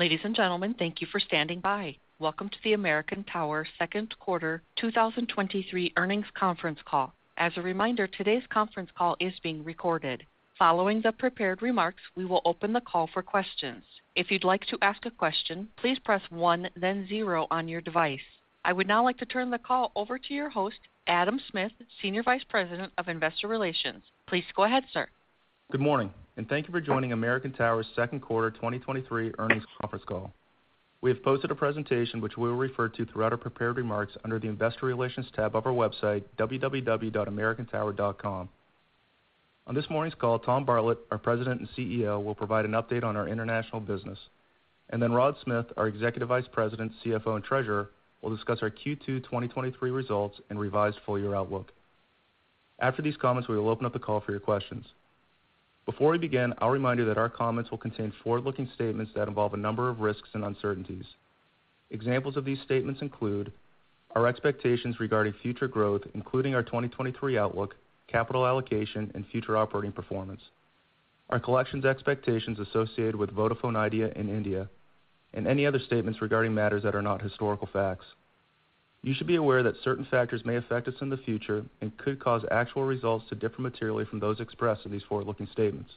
Ladies and gentlemen, thank you for standing by. Welcome to the American Tower Second Quarter 2023 Earnings Conference Call. As a reminder, today's conference call is being recorded. Following the prepared remarks, we will open the call for questions. If you'd like to ask a question, please press one, then zero on your device. I would now like to turn the call over to your host, Adam Smith, Senior Vice President of Investor Relations. Please go ahead, sir. Good morning, thank you for joining American Tower's second quarter 2023 earnings conference call. We have posted a presentation which we will refer to throughout our prepared remarks under the Investor Relations tab of our website, www.americantower.com. On this morning's call, Tom Bartlett, our President and CEO, will provide an update on our international business, then Rod Smith, our Executive Vice President, CFO, and Treasurer, will discuss our Q2 2023 results and revised full year outlook. After these comments, we will open up the call for your questions. Before we begin, I'll remind you that our comments will contain forward-looking statements that involve a number of risks and uncertainties. Examples of these statements include our expectations regarding future growth, including our 2023 outlook, capital allocation, and future operating performance, our collections expectations associated with Vodafone Idea in India, any other statements regarding matters that are not historical facts. You should be aware that certain factors may affect us in the future and could cause actual results to differ materially from those expressed in these forward-looking statements.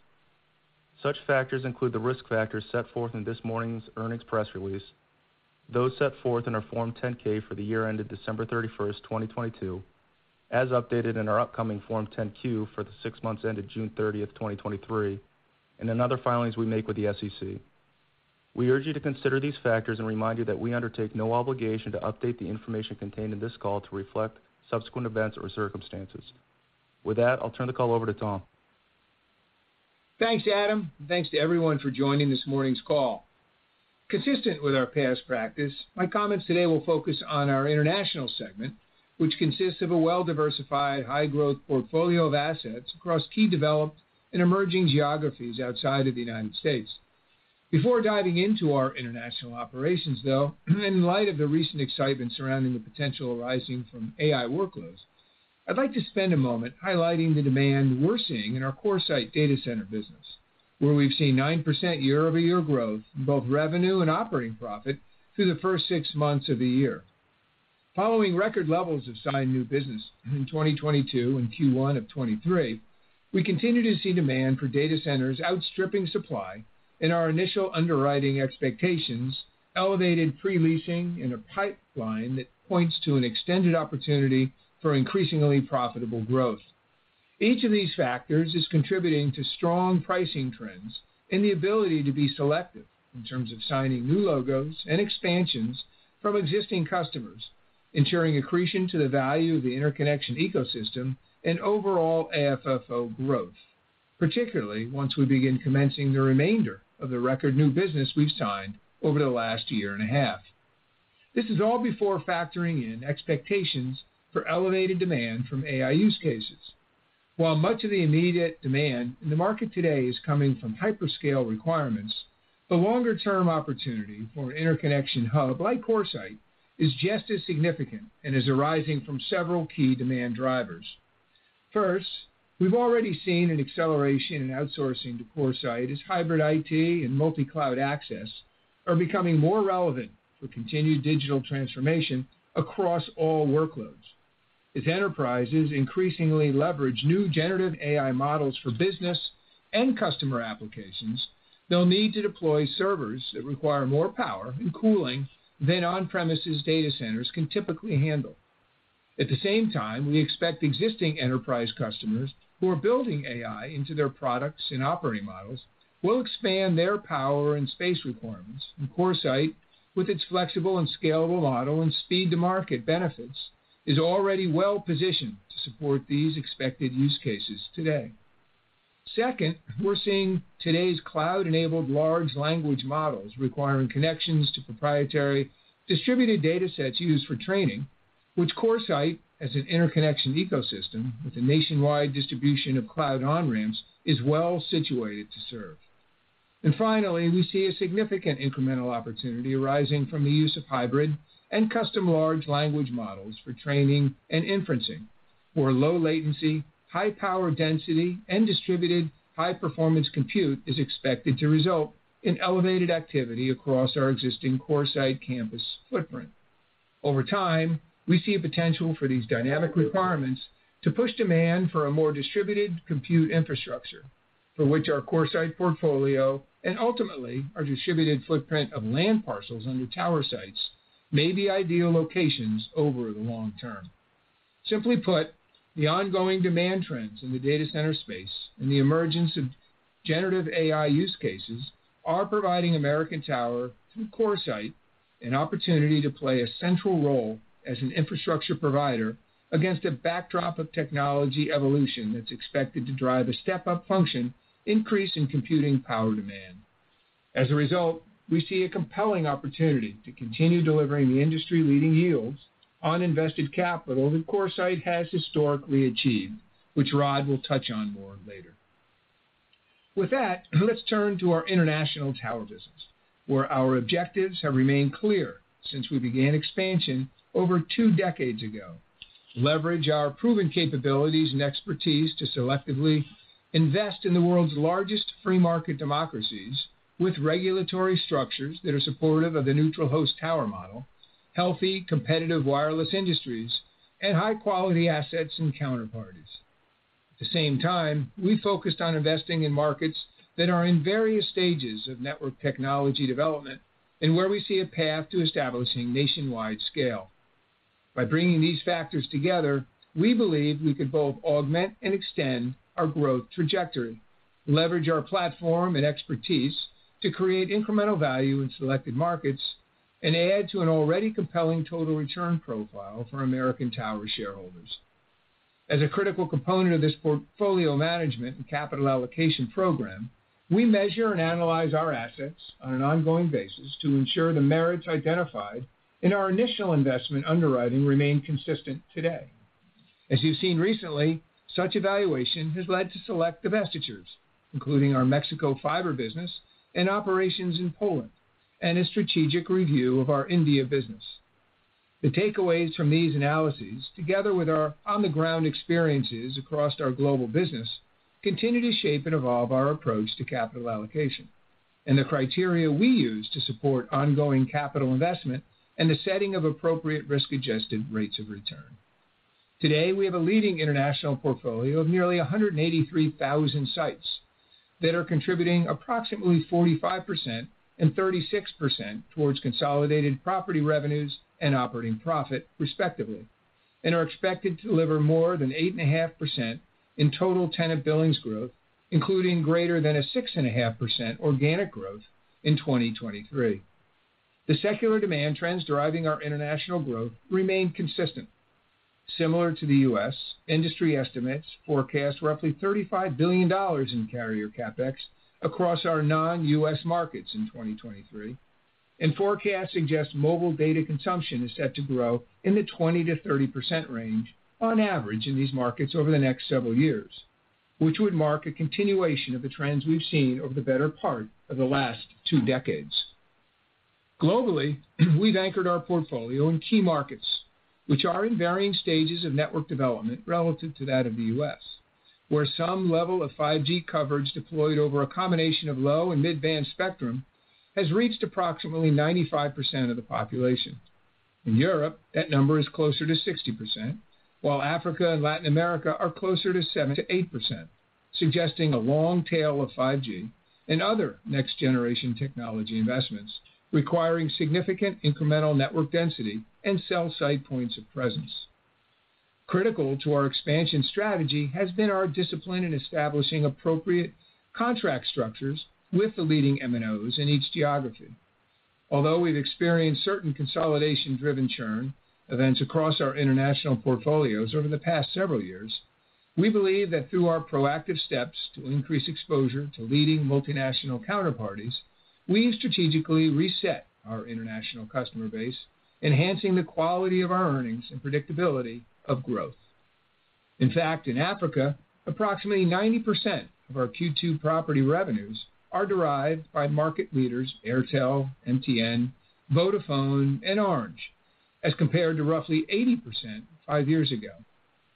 Such factors include the risk factors set forth in this morning's earnings press release, those set forth in our Form 10-K for the year ended December 31st, 2022, as updated in our upcoming Form 10-Q for the six months ended June 30th, 2023, in other filings we make with the SEC. We urge you to consider these factors and remind you that we undertake no obligation to update the information contained in this call to reflect subsequent events or circumstances. With that, I'll turn the call over to Tom. Thanks, Adam. Thanks to everyone for joining this morning's call. Consistent with our past practice, my comments today will focus on our international segment, which consists of a well-diversified, high-growth portfolio of assets across key developed and emerging geographies outside of the United States. Before diving into our international operations, though, in light of the recent excitement surrounding the potential arising from AI workloads, I'd like to spend a moment highlighting the demand we're seeing in our CoreSite data center business, where we've seen 9% year-over-year growth in both revenue and operating profit through the first six months of the year. Following record levels of signed new business in 2022 and Q1 of 2023, we continue to see demand for data centers outstripping supply and our initial underwriting expectations, elevated pre-leasing in a pipeline that points to an extended opportunity for increasingly profitable growth. Each of these factors is contributing to strong pricing trends and the ability to be selective in terms of signing new logos and expansions from existing customers, ensuring accretion to the value of the interconnection ecosystem and overall AFFO growth, particularly once we begin commencing the remainder of the record new business we've signed over the last year and a half. This is all before factoring in expectations for elevated demand from AI use cases. While much of the immediate demand in the market today is coming from hyperscale requirements, the longer-term opportunity for an interconnection hub like CoreSite is just as significant and is arising from several key demand drivers. First, we've already seen an acceleration in outsourcing to CoreSite as hybrid IT and multi-cloud access are becoming more relevant for continued digital transformation across all workloads. As enterprises increasingly leverage new generative AI models for business and customer applications, they'll need to deploy servers that require more power and cooling than on-premises data centers can typically handle. At the same time, we expect existing enterprise customers who are building AI into their products and operating models will expand their power and space requirements, and CoreSite, with its flexible and scalable model and speed-to-market benefits, is already well positioned to support these expected use cases today. Second, we're seeing today's cloud-enabled large language models requiring connections to proprietary distributed data sets used for training, which CoreSite, as an interconnection ecosystem with a nationwide distribution of cloud on-ramps, is well situated to serve. Finally, we see a significant incremental opportunity arising from the use of hybrid and custom large language models for training and inferencing, where low latency, high power density, and distributed high-performance compute is expected to result in elevated activity across our existing CoreSite campus footprint. Over time, we see a potential for these dynamic requirements to push demand for a more distributed compute infrastructure, for which our CoreSite portfolio and ultimately our distributed footprint of land parcels under tower sites may be ideal locations over the long-term. Simply put, the ongoing demand trends in the data center space and the emergence of generative AI use cases are providing American Tower, through CoreSite, an opportunity to play a central role as an infrastructure provider against a backdrop of technology evolution that's expected to drive a step-up function increase in computing power demand. As a result, we see a compelling opportunity to continue delivering the industry-leading yields on invested capital that CoreSite has historically achieved, which Rod will touch on more later. With that, let's turn to our international tower business, where our objectives have remained clear since we began expansion over 2 decades ago, leverage our proven capabilities and expertise to selectively invest in the world's largest free market democracies with regulatory structures that are supportive of the neutral host tower model, healthy, competitive wireless industries, and high-quality assets and counterparties. At the same time, we focused on investing in markets that are in various stages of network technology development and where we see a path to establishing nationwide scale. By bringing these factors together, we believe we could both augment and extend our growth trajectory, leverage our platform and expertise to create incremental value in selected markets, and add to an already compelling total return profile for American Tower shareholders. As a critical component of this portfolio management and capital allocation program, we measure and analyze our assets on an ongoing basis to ensure the merits identified in our initial investment underwriting remain consistent today. As you've seen recently, such evaluation has led to select divestitures, including our Mexico fiber business and operations in Poland, and a strategic review of our India business. The takeaways from these analyses, together with our on-the-ground experiences across our global business, continue to shape and evolve our approach to capital allocation and the criteria we use to support ongoing capital investment and the setting of appropriate risk-adjusted rates of return. Today, we have a leading international portfolio of nearly 183,000 sites that are contributing approximately 45% and 36% towards consolidated property revenues and operating profit, respectively, and are expected to deliver more than 8.5% in total tenant billings growth, including greater than a 6.5% organic growth in 2023. The secular demand trends driving our international growth remain consistent. Similar to the U.S., industry estimates forecast roughly $35 billion in carrier CapEx across our non-U.S. markets in 2023. Forecasts suggest mobile data consumption is set to grow in the 20%-30% range on average in these markets over the next several years, which would mark a continuation of the trends we've seen over the better part of the last two decades. Globally, we've anchored our portfolio in key markets, which are in varying stages of network development relative to that of the U.S., where some level of 5G coverage deployed over a combination of low and mid-band spectrum has reached approximately 95% of the population. In Europe, that number is closer to 60%, while Africa and Latin America are closer to 7%-8%, suggesting a long tail of 5G and other next-generation technology investments requiring significant incremental network density and cell site points of presence. Critical to our expansion strategy has been our discipline in establishing appropriate contract structures with the leading MNOs in each geography. Although we've experienced certain consolidation-driven churn events across our international portfolios over the past several years, we believe that through our proactive steps to increase exposure to leading multinational counterparties, we strategically reset our international customer base, enhancing the quality of our earnings and predictability of growth. In fact, in Africa, approximately 90% of our Q2 property revenues are derived by market leaders Airtel, MTN, Vodafone, and Orange, as compared to roughly 80% five years ago.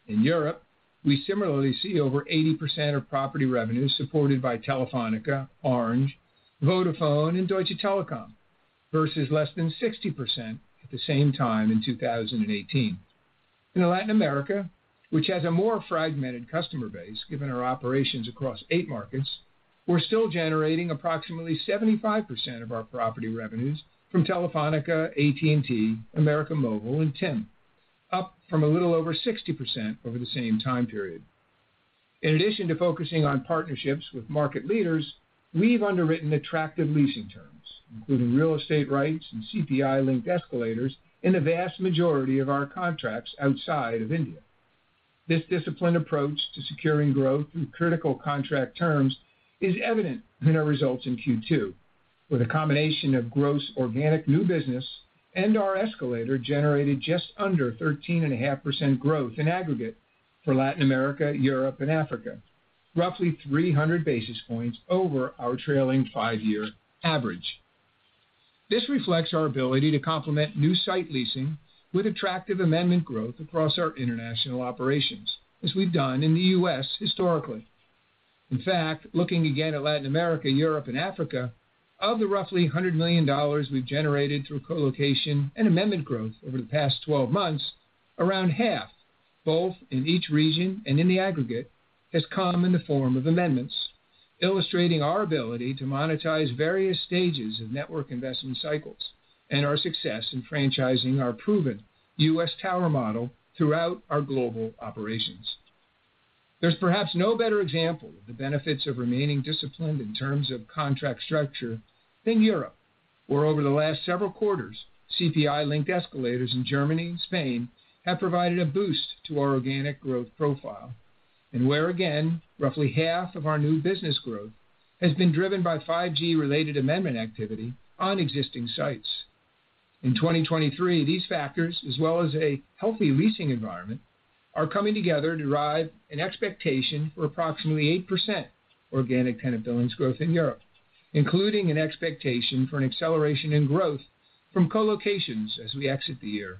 In Europe, we similarly see over 80% of property revenues supported by Telefónica, Orange, Vodafone, and Deutsche Telekom, versus less than 60% at the same time in 2018. In Latin America, which has a more fragmented customer base, given our operations across 8 markets, we're still generating approximately 75% of our property revenues from Telefónica, AT&T, América Móvil, and TIM, up from a little over 60% over the same time period. In addition to focusing on partnerships with market leaders, we've underwritten attractive leasing terms, including real estate rights and CPI-linked escalators, in the vast majority of our contracts outside of India. This disciplined approach to securing growth through critical contract terms is evident in our results in Q2, where the combination of gross organic new business and our escalator generated just under 13.5% growth in aggregate for Latin America, Europe, and Africa, roughly 300 basis points over our trailing five-year average. This reflects our ability to complement new site leasing with attractive amendment growth across our international operations, as we've done in the U.S. historically. Looking again at Latin America, Europe, and Africa, of the roughly $100 million we've generated through co-location and amendment growth over the past 12 months, around half, both in each region and in the aggregate, has come in the form of amendments, illustrating our ability to monetize various stages of network investment cycles and our success in franchising our proven U.S. tower model throughout our global operations. There's perhaps no better example of the benefits of remaining disciplined in terms of contract structure than Europe, where over the last several quarters, CPI-linked escalators in Germany and Spain have provided a boost to our organic growth profile, and where, again, roughly half of our new business growth has been driven by 5G-related amendment activity on existing sites. In 2023, these factors, as well as a healthy leasing environment, are coming together to drive an expectation for approximately 8% organic tenant billings growth in Europe, including an expectation for an acceleration in growth from co-locations as we exit the year.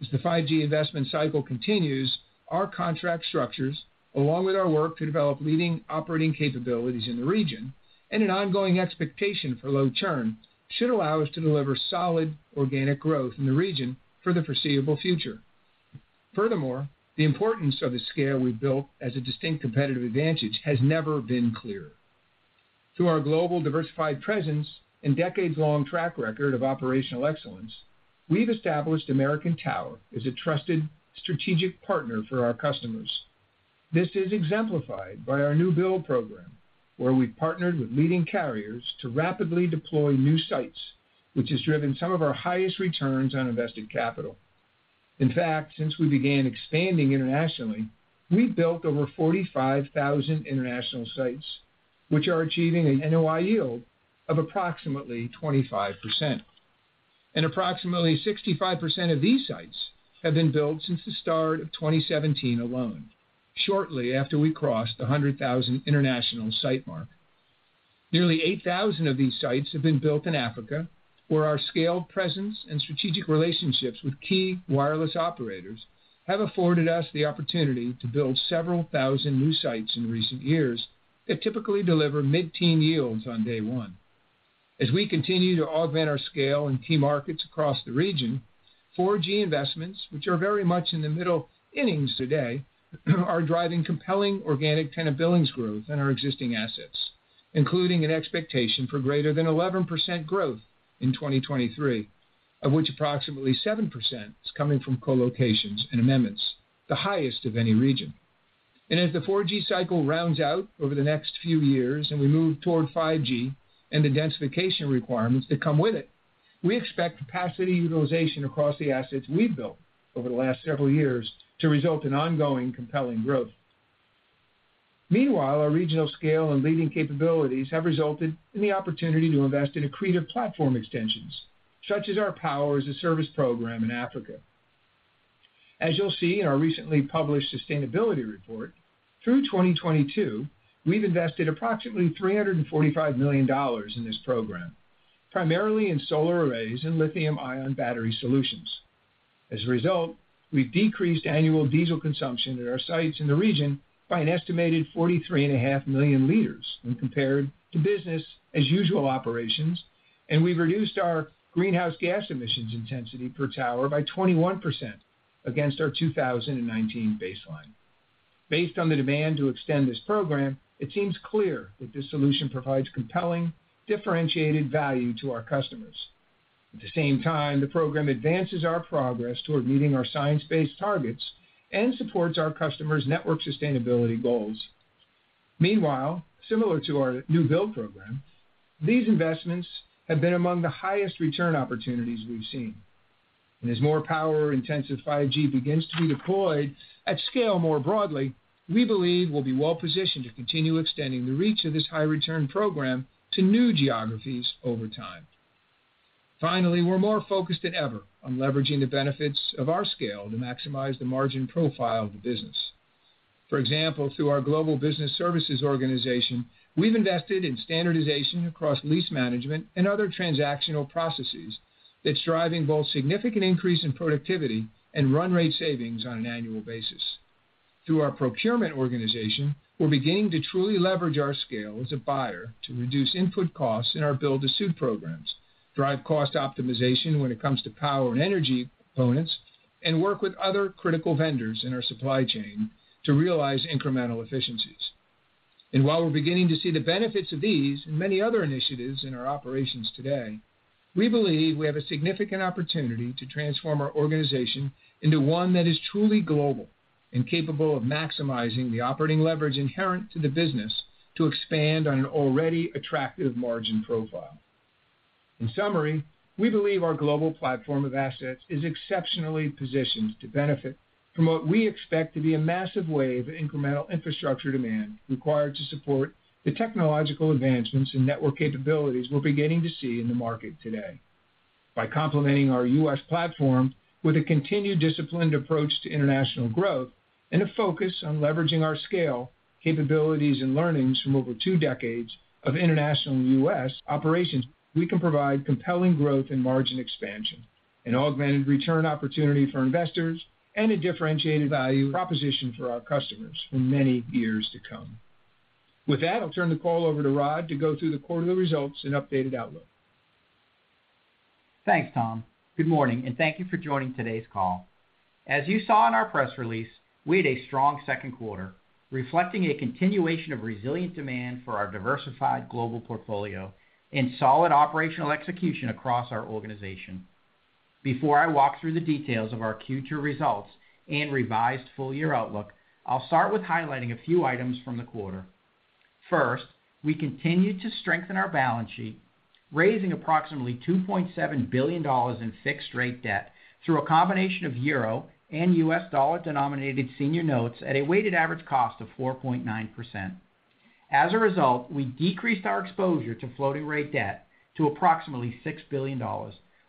As the 5G investment cycle continues, our contract structures, along with our work to develop leading operating capabilities in the region, and an ongoing expectation for low churn, should allow us to deliver solid organic growth in the region for the foreseeable future. The importance of the scale we've built as a distinct competitive advantage has never been clearer. Through our global diversified presence and decades-long track record of operational excellence, we've established American Tower as a trusted strategic partner for our customers. This is exemplified by our new build program, where we've partnered with leading carriers to rapidly deploy new sites, which has driven some of our highest returns on invested capital. In fact, since we began expanding internationally, we've built over 45,000 international sites, which are achieving an NOI yield of approximately 25%. Approximately 65% of these sites have been built since the start of 2017 alone, shortly after we crossed the 100,000 international site mark. Nearly 8,000 of these sites have been built in Africa, where our scaled presence and strategic relationships with key wireless operators have afforded us the opportunity to build several thousand new sites in recent years that typically deliver mid-teen yields on day one. As we continue to augment our scale in key markets across the region, 4G investments, which are very much in the middle innings today, are driving compelling organic tenant billings growth in our existing assets, including an expectation for greater than 11% growth in 2023, of which approximately 7% is coming from co-locations and amendments, the highest of any region. As the 4G cycle rounds out over the next few years, and we move toward 5G and the densification requirements that come with it, we expect capacity utilization across the assets we've built over the last several years to result in ongoing, compelling growth. Meanwhile, our regional scale and leading capabilities have resulted in the opportunity to invest in accretive platform extensions, such as our Power-as-a-Service program in Africa. As you'll see in our recently published sustainability report, through 2022, we've invested approximately $345 million in this program, primarily in solar arrays and lithium-ion battery solutions. As a result, we've decreased annual diesel consumption at our sites in the region by an estimated 43.5 million liters when compared to business as usual operations. We've reduced our greenhouse gas emissions intensity per tower by 21% against our 2019 baseline. Based on the demand to extend this program, it seems clear that this solution provides compelling, differentiated value to our customers. At the same time, the program advances our progress toward meeting our science-based targets and supports our customers' network sustainability goals. Meanwhile, similar to our new build program, these investments have been among the highest return opportunities we've seen. As more power-intensive 5G begins to be deployed at scale more broadly, we believe we'll be well positioned to continue extending the reach of this high-return program to new geographies over time. Finally, we're more focused than ever on leveraging the benefits of our scale to maximize the margin profile of the business. For example, through our global business services organization, we've invested in standardization across lease management and other transactional processes that's driving both significant increase in productivity and run rate savings on an annual basis. Through our procurement organization, we're beginning to truly leverage our scale as a buyer to reduce input costs in our build-to-suit programs, drive cost optimization when it comes to power and energy components, and work with other critical vendors in our supply chain to realize incremental efficiencies. While we're beginning to see the benefits of these and many other initiatives in our operations today, we believe we have a significant opportunity to transform our organization into one that is truly global and capable of maximizing the operating leverage inherent to the business to expand on an already attractive margin profile. In summary, we believe our global platform of assets is exceptionally positioned to benefit from what we expect to be a massive wave of incremental infrastructure demand required to support the technological advancements and network capabilities we're beginning to see in the market today. By complementing our U.S. platform with a continued disciplined approach to international growth and a focus on leveraging our scale, capabilities, and learnings from over two decades of international and U.S. operations, we can provide compelling growth and margin expansion, an augmented return opportunity for investors, and a differentiated value proposition for our customers for many years to come. With that, I'll turn the call over to Rod to go through the quarterly results and updated outlook. Thanks, Tom. Good morning. Thank you for joining today's call. As you saw in our press release, we had a strong second quarter, reflecting a continuation of resilient demand for our diversified global portfolio and solid operational execution across our organization. Before I walk through the details of our Q2 results and revised full-year outlook, I'll start with highlighting a few items from the quarter. First, we continued to strengthen our balance sheet, raising approximately $2.7 billion in fixed-rate debt through a combination of euro and U.S. dollar-denominated senior notes at a weighted average cost of 4.9%. As a result, we decreased our exposure to floating-rate debt to approximately $6 billion,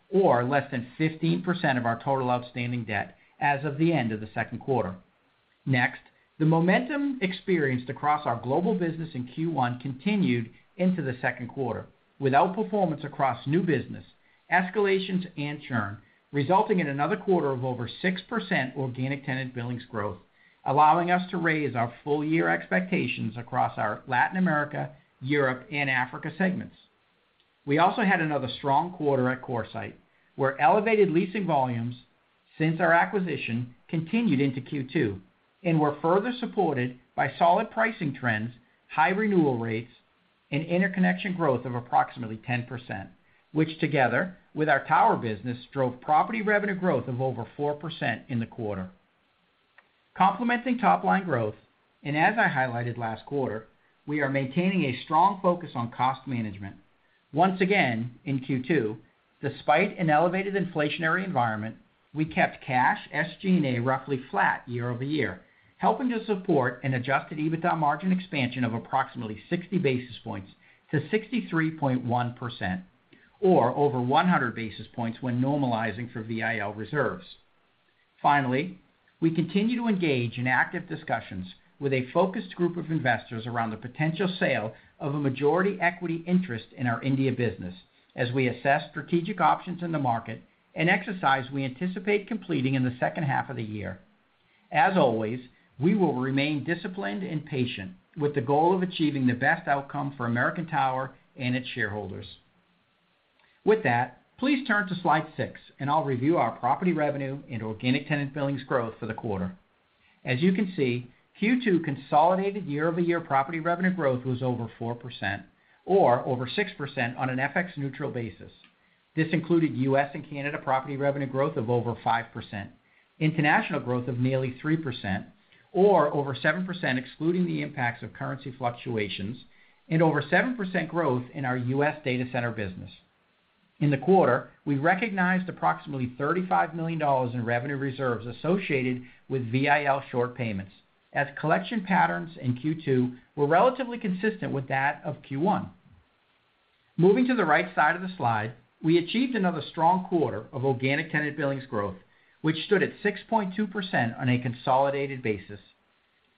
or less than 15% of our total outstanding debt as of the end of the second quarter. Next, the momentum experienced across our global business in Q1 continued into the second quarter, with outperformance across new business, escalations, and churn, resulting in another quarter of over 6% organic tenant billings growth, allowing us to raise our full-year expectations across our Latin America, Europe, and Africa segments. We also had another strong quarter at CoreSite, where elevated leasing volumes since our acquisition continued into Q2 and were further supported by solid pricing trends, high renewal rates, and interconnection growth of approximately 10%, which together with our tower business, drove property revenue growth of over 4% in the quarter. Complementing top line growth, and as I highlighted last quarter, we are maintaining a strong focus on cost management. Once again, in Q2, despite an elevated inflationary environment, we kept cash SG&A roughly flat year-over-year, helping to support an adjusted EBITDA margin expansion of approximately 60 basis points to 63.1%, or over 100 basis points when normalizing for VIL reserves. Finally, we continue to engage in active discussions with a focused group of investors around the potential sale of a majority equity interest in our India business as we assess strategic options in the market and exercise we anticipate completing in the second half of the year. As always, we will remain disciplined and patient, with the goal of achieving the best outcome for American Tower and its shareholders. With that, please turn to slide six, and I'll review our property revenue and organic tenant billings growth for the quarter. As you can see, Q2 consolidated year-over-year property revenue growth was over 4% or over 6% on an FX neutral basis. This included U.S. and Canada property revenue growth of over 5%, international growth of nearly 3%, or over 7% excluding the impacts of currency fluctuations, and over 7% growth in our U.S. data center business. In the quarter, we recognized approximately $35 million in revenue reserves associated with VIL short payments, as collection patterns in Q2 were relatively consistent with that of Q1. Moving to the right side of the slide, we achieved another strong quarter of organic tenant billings growth, which stood at 6.2% on a consolidated basis.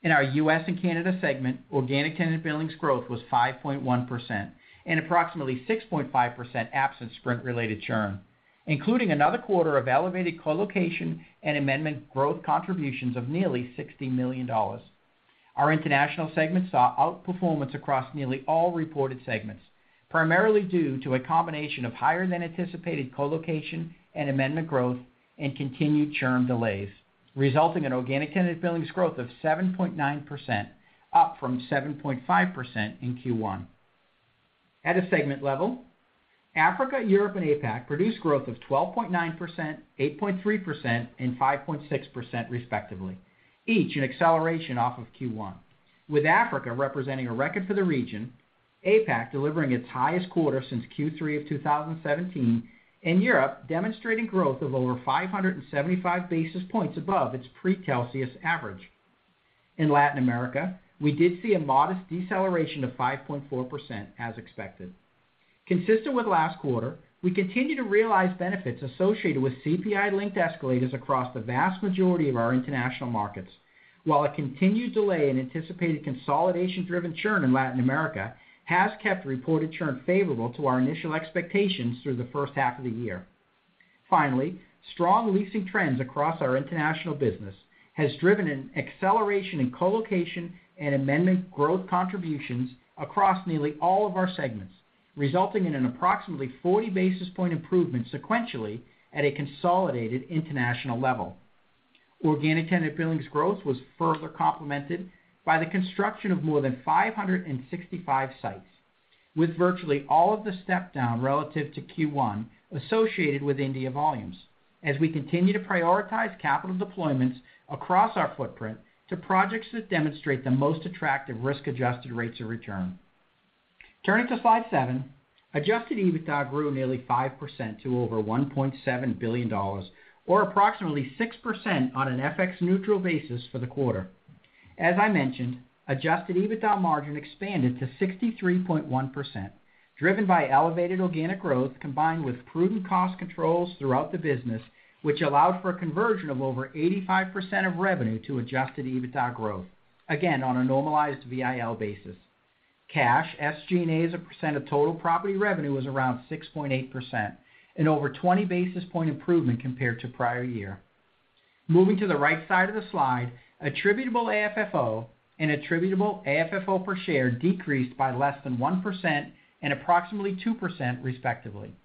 In our U.S. and Canada segment, organic tenant billings growth was 5.1% and approximately 6.5% absent Sprint-related churn, including another quarter of elevated colocation and amendment growth contributions of nearly $60 million. Our international segment saw outperformance across nearly all reported segments, primarily due to a combination of higher than anticipated colocation and amendment growth and continued churn delays, resulting in organic tenant billings growth of 7.9%, up from 7.5% in Q1. At a segment level, Africa, Europe, and APAC produced growth of 12.9%, 8.3%, and 5.6% respectively, each an acceleration off of Q1, with Africa representing a record for the region, APAC delivering its highest quarter since Q3 of 2017, and Europe demonstrating growth of over 575 basis points above its pre-Telxius average. In Latin America, we did see a modest deceleration of 5.4%, as expected. Consistent with last quarter, we continue to realize benefits associated with CPI-linked escalators across the vast majority of our international markets, while a continued delay in anticipated consolidation-driven churn in Latin America has kept reported churn favorable to our initial expectations through the first half of the year. Finally, strong leasing trends across our international business has driven an acceleration in colocation and amendment growth contributions across nearly all of our segments, resulting in an approximately 40 basis point improvement sequentially at a consolidated international level. Organic tenant billings growth was further complemented by the construction of more than 565 sites, with virtually all of the step down relative to Q1 associated with India volumes, as we continue to prioritize capital deployments across our footprint to projects that demonstrate the most attractive risk-adjusted rates of return. Turning to slide seven, adjusted EBITDA grew nearly 5% to over $1.7 billion, or approximately 6% on an FX neutral basis for the quarter. As I mentioned, adjusted EBITDA margin expanded to 63.1%, driven by elevated organic growth, combined with prudent cost controls throughout the business, which allowed for a conversion of over 85% of revenue to adjusted EBITDA growth, again on a normalized VIL basis. Cash SG&A as a % of total property revenue was around 6.8%, an over 20 basis point improvement compared to prior year. Moving to the right side of the slide, attributable AFFO and attributable AFFO per share decreased by less than 1% and approximately 2% respectively.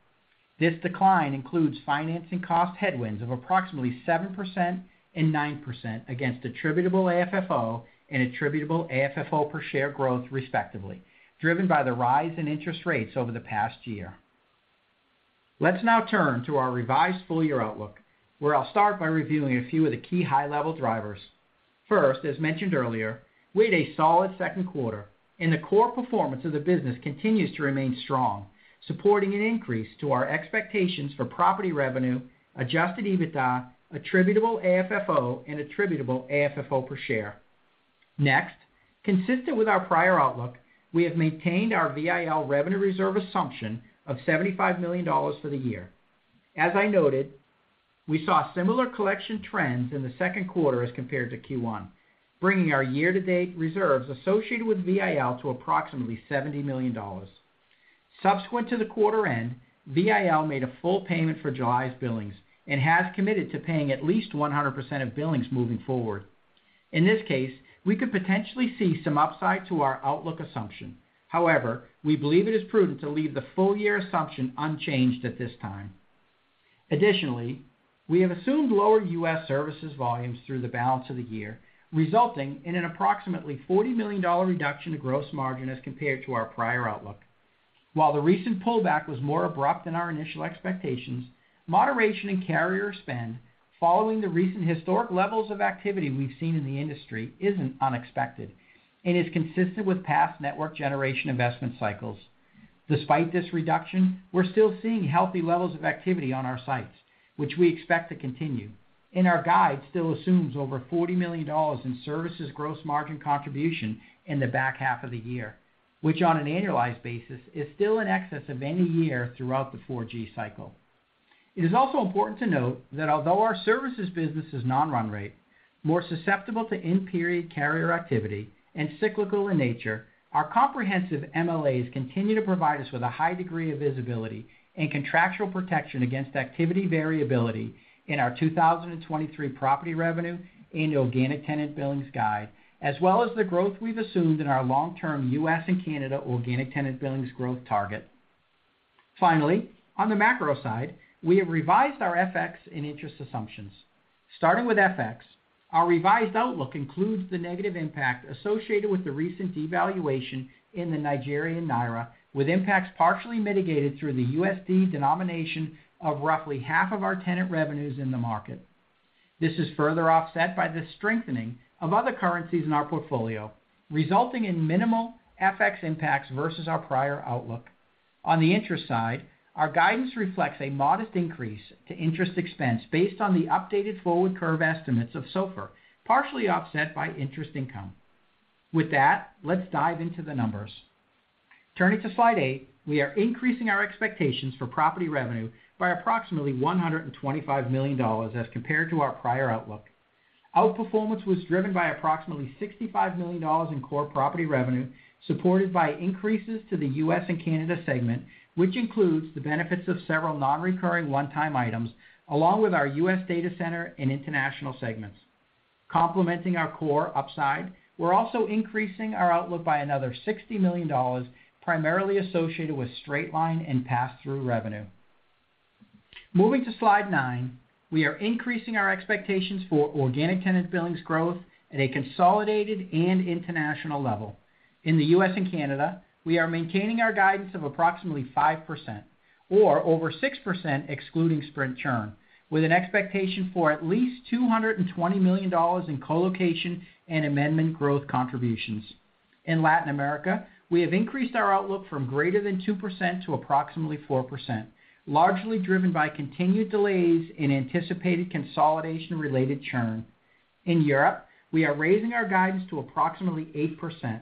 This decline includes financing cost headwinds of approximately 7% and 9% against attributable AFFO and attributable AFFO per share growth, respectively, driven by the rise in interest rates over the past year. Let's now turn to our revised full year outlook, where I'll start by reviewing a few of the key high-level drivers. As mentioned earlier, we had a solid second quarter, and the core performance of the business continues to remain strong, supporting an increase to our expectations for property revenue, adjusted EBITDA, attributable AFFO, and attributable AFFO per share. Consistent with our prior outlook, we have maintained our VIL revenue reserve assumption of $75 million for the year. As I noted, we saw similar collection trends in the second quarter as compared to Q1, bringing our year-to-date reserves associated with VIL to approximately $70 million. Subsequent to the quarter end, VIL made a full payment for July's billings and has committed to paying at least 100% of billings moving forward. In this case, we could potentially see some upside to our outlook assumption. We believe it is prudent to leave the full year assumption unchanged at this time. Additionally, we have assumed lower U.S. services volumes through the balance of the year, resulting in an approximately $40 million reduction in gross margin as compared to our prior outlook. The recent pullback was more abrupt than our initial expectations, moderation in carrier spend following the recent historic levels of activity we've seen in the industry isn't unexpected and is consistent with past network generation investment cycles. Despite this reduction, we're still seeing healthy levels of activity on our sites, which we expect to continue, and our guide still assumes over $40 million in services gross margin contribution in the back half of the year, which on an annualized basis, is still in excess of any year throughout the 4G cycle. It is also important to note that although our services business is non-run rate, more susceptible to in-period carrier activity and cyclical in nature, our comprehensive MLAs continue to provide us with a high degree of visibility and contractual protection against activity variability in our 2023 property revenue and organic tenant billings guide, as well as the growth we've assumed in our long-term U.S. and Canada organic tenant billings growth target. Finally, on the macro side, we have revised our FX and interest assumptions. Starting with FX, our revised outlook includes the negative impact associated with the recent devaluation in the Nigerian naira, with impacts partially mitigated through the USD denomination of roughly half of our tenant revenues in the market. This is further offset by the strengthening of other currencies in our portfolio, resulting in minimal FX impacts versus our prior outlook. On the interest side, our guidance reflects a modest increase to interest expense based on the updated forward curve estimates of SOFR, partially offset by interest income. Let's dive into the numbers. Turning to slide eight, we are increasing our expectations for property revenue by approximately $125 million as compared to our prior outlook. Outperformance was driven by approximately $65 million in core property revenue, supported by increases to the U.S. and Canada segment, which includes the benefits of several nonrecurring one-time items, along with our U.S. data center and international segments. Complementing our core upside, we're also increasing our outlook by another $60 million, primarily associated with straight-line and pass-through revenue. Moving to slide nine, we are increasing our expectations for organic tenant billings growth at a consolidated and international level. In the U.S. and Canada, we are maintaining our guidance of approximately 5%, or over 6% excluding Sprint churn, with an expectation for at least $220 million in colocation and amendment growth contributions. In Latin America, we have increased our outlook from greater than 2% to approximately 4%, largely driven by continued delays in anticipated consolidation-related churn. In Europe, we are raising our guidance to approximately 8%,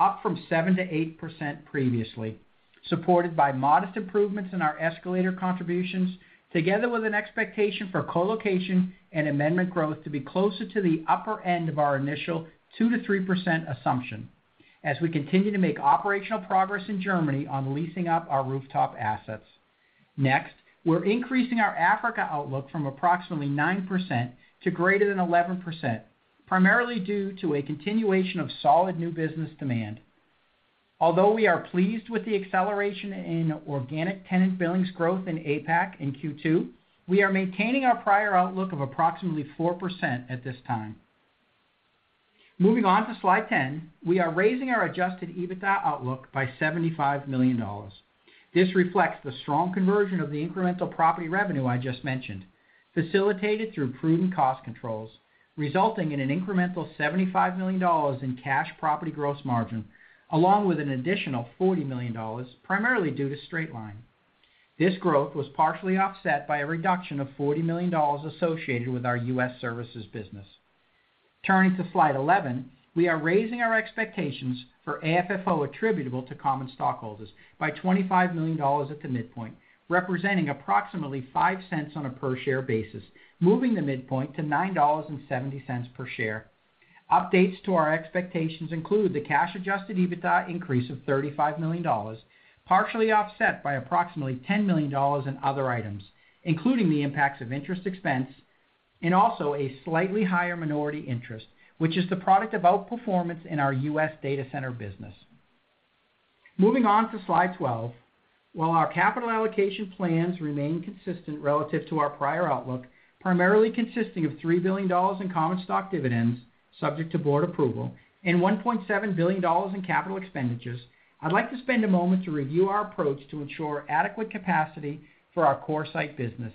up from 7%-8% previously, supported by modest improvements in our escalator contributions, together with an expectation for colocation and amendment growth to be closer to the upper end of our initial 2%-3% assumption, as we continue to make operational progress in Germany on leasing up our rooftop assets. We're increasing our Africa outlook from approximately 9% to greater than 11%, primarily due to a continuation of solid new business demand. We are pleased with the acceleration in organic tenant billings growth in APAC in Q2, we are maintaining our prior outlook of approximately 4% at this time. Moving on to slide 10, we are raising our adjusted EBITDA outlook by $75 million. This reflects the strong conversion of the incremental property revenue I just mentioned, facilitated through prudent cost controls, resulting in an incremental $75 million in cash property gross margin, along with an additional $40 million, primarily due to straight-line. This growth was partially offset by a reduction of $40 million associated with our U.S. services business. Turning to slide 11, we are raising our expectations for AFFO attributable to common stockholders by $25 million at the midpoint, representing approximately $0.05 on a per-share basis, moving the midpoint to $9.70 per share. Updates to our expectations include the cash-adjusted EBITDA increase of $35 million, partially offset by approximately $10 million in other items, including the impacts of interest expense and also a slightly higher minority interest, which is the product of outperformance in our U.S. data center business. Moving on to slide 12, while our capital allocation plans remain consistent relative to our prior outlook, primarily consisting of $3 billion in common stock dividends, subject to board approval, and $1.7 billion in capital expenditures, I'd like to spend a moment to review our approach to ensure adequate capacity for our CoreSite business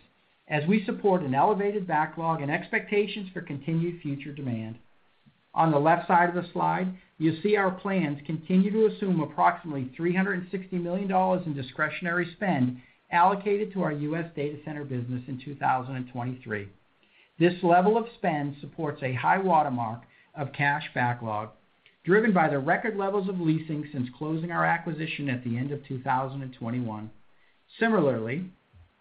as we support an elevated backlog and expectations for continued future demand. On the left side of the slide, you'll see our plans continue to assume approximately $360 million in discretionary spend allocated to our U.S. data center business in 2023. This level of spend supports a high watermark of cash backlog, driven by the record levels of leasing since closing our acquisition at the end of 2021. Similarly,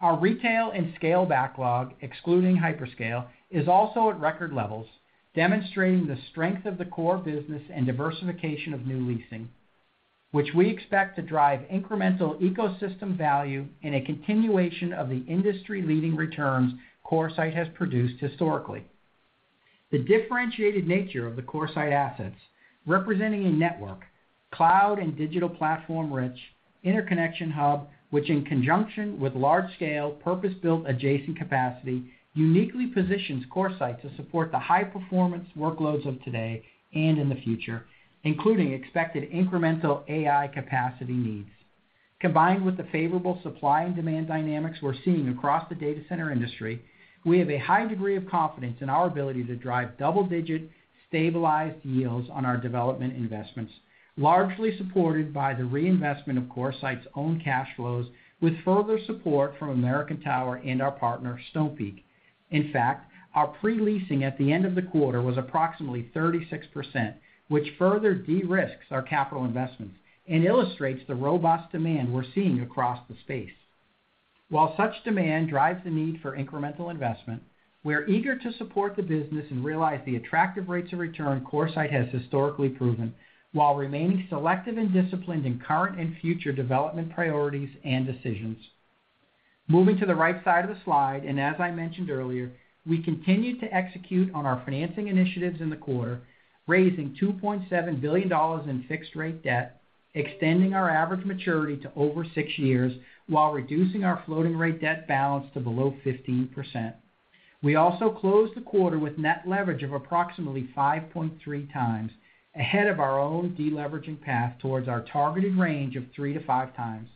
our retail and scale backlog, excluding hyperscale, is also at record levels, demonstrating the strength of the core business and diversification of new leasing, which we expect to drive incremental ecosystem value and a continuation of the industry-leading returns CoreSite has produced historically. The differentiated nature of the CoreSite assets, representing a network, cloud and digital platform-rich interconnection hub, which in conjunction with large-scale, purpose-built adjacent capacity, uniquely positions CoreSite to support the high-performance workloads of today and in the future, including expected incremental AI capacity needs. Combined with the favorable supply and demand dynamics we're seeing across the data center industry, we have a high degree of confidence in our ability to drive double-digit stabilized yields on our development investments, largely supported by the reinvestment of CoreSite's own cash flows, with further support from American Tower and our partner, Stonepeak. In fact, our pre-leasing at the end of the quarter was approximately 36%, which further de-risks our capital investments and illustrates the robust demand we're seeing across the space. While such demand drives the need for incremental investment, we are eager to support the business and realize the attractive rates of return CoreSite has historically proven, while remaining selective and disciplined in current and future development priorities and decisions. Moving to the right side of the slide, as I mentioned earlier, we continued to execute on our financing initiatives in the quarter, raising $2.7 billion in fixed rate debt, extending our average maturity to over six years, while reducing our floating rate debt balance to below 15%. We also closed the quarter with net leverage of approximately 5.3x, ahead of our own deleveraging path towards our targeted range of three to five times.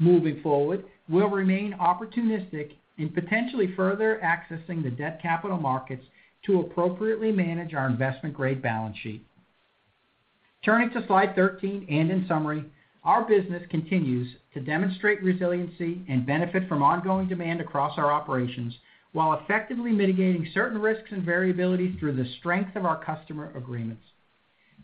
Moving forward, we'll remain opportunistic in potentially further accessing the debt capital markets to appropriately manage our investment-grade balance sheet. Turning to slide 13, and in summary, our business continues to demonstrate resiliency and benefit from ongoing demand across our operations, while effectively mitigating certain risks and variability through the strength of our customer agreements.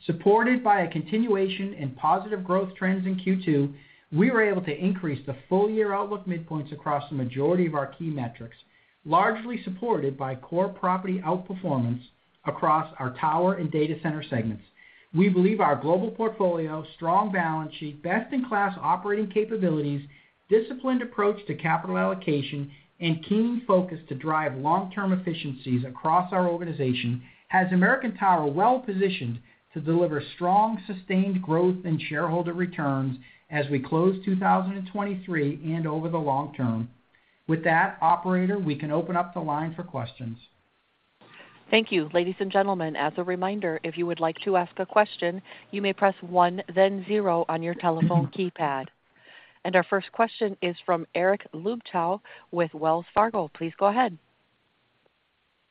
Supported by a continuation in positive growth trends in Q2, we were able to increase the full-year outlook midpoints across the majority of our key metrics, largely supported by core property outperformance across our tower and data center segments. We believe our global portfolio, strong balance sheet, best-in-class operating capabilities, disciplined approach to capital allocation, and keen focus to drive long-term efficiencies across our organization has American Tower well positioned to deliver strong, sustained growth and shareholder returns as we close 2023 and over the long-term. With that, operator, we can open up the line for questions. Thank you. Ladies and gentlemen, as a reminder, if you would like to ask a question, you may press one, then zero on your telephone keypad. Our first question is from Eric Luebchow with Wells Fargo. Please go ahead.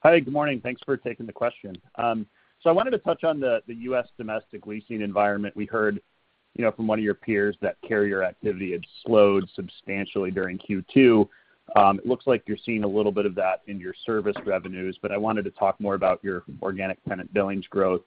Hi, good morning. Thanks for taking the question. I wanted to touch on the U.S. domestic leasing environment. We heard, you know, from one of your peers that carrier activity had slowed substantially during Q2. It looks like you're seeing a little bit of that in your service revenues, I wanted to talk more about your organic tenant billings growth.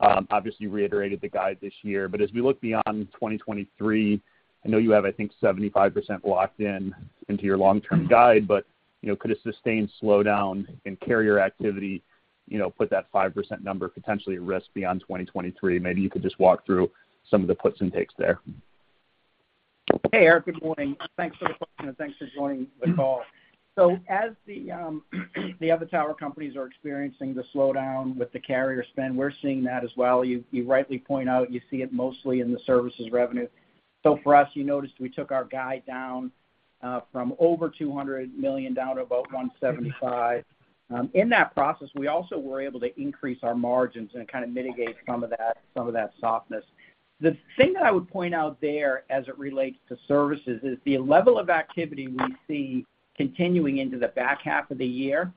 Obviously, you reiterated the guide this year, as we look beyond 2023, I know you have, I think, 75% locked in into your long-term guide, could a sustained slowdown in carrier activity, you know, put that 5% number potentially at risk beyond 2023? Maybe you could just walk through some of the puts and takes there. Hey, Eric, good morning. Thanks for the question, and thanks for joining the call. As the other tower companies are experiencing the slowdown with the carrier spend, we're seeing that as well. You rightly point out, you see it mostly in the services revenue. For us, you noticed we took our guide down from over $200 million down to about $175 million. In that process, we also were able to increase our margins, and it kind of mitigated some of that softness. The thing that I would point out there as it relates to services is the level of activity we see continuing into the back half of the year,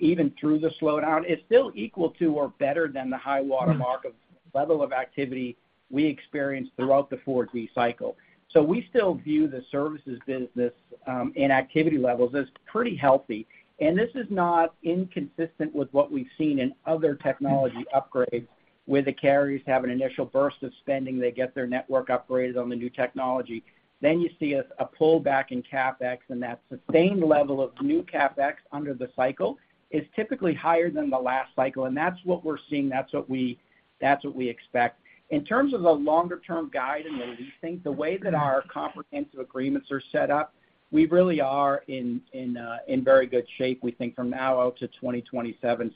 even through the slowdown, is still equal to or better than the high water mark of level of activity we experienced throughout the 4G cycle. We still view the services business and activity levels as pretty healthy. This is not inconsistent with what we've seen in other technology upgrades, where the carriers have an initial burst of spending, they get their network upgraded on the new technology. You see a pullback in CapEx, and that sustained level of new CapEx under the cycle is typically higher than the last cycle. That's what we're seeing. That's what we expect. In terms of the longer-term guide and the leasing, the way that our comprehensive agreements are set up, we really are in very good shape, we think, from now out to 2027.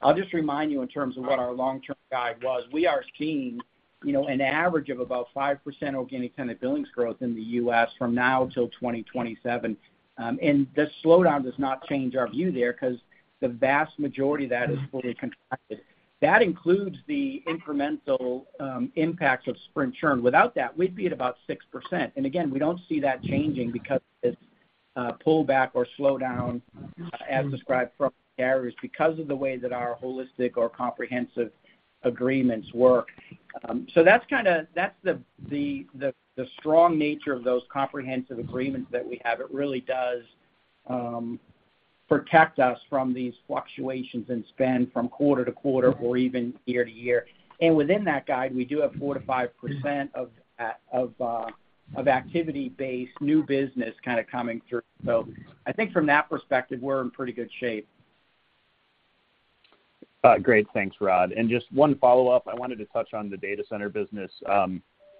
I'll just remind you, in terms of what our long-term guide was, we are seeing, you know, an average of about 5% organic tenant billings growth in the U.S. from now till 2027. The slowdown does not change our view there because the vast majority of that is fully contracted. That includes the incremental impacts of Sprint churn. Without that, we'd be at about 6%. Again, we don't see that changing because of this pullback or slowdown, as described from carriers, because of the way that our holistic or comprehensive agreements work. That's the strong nature of those comprehensive agreements that we have. It really does protect us from these fluctuations in spend from quarter-to-quarter or even year-to-year. Within that guide, we do have 4%-5% of activity-based new business kind of coming through. So I think from that perspective, we're in pretty good shape. Great. Thanks, Rod. Just one follow-up. I wanted to touch on the data center business.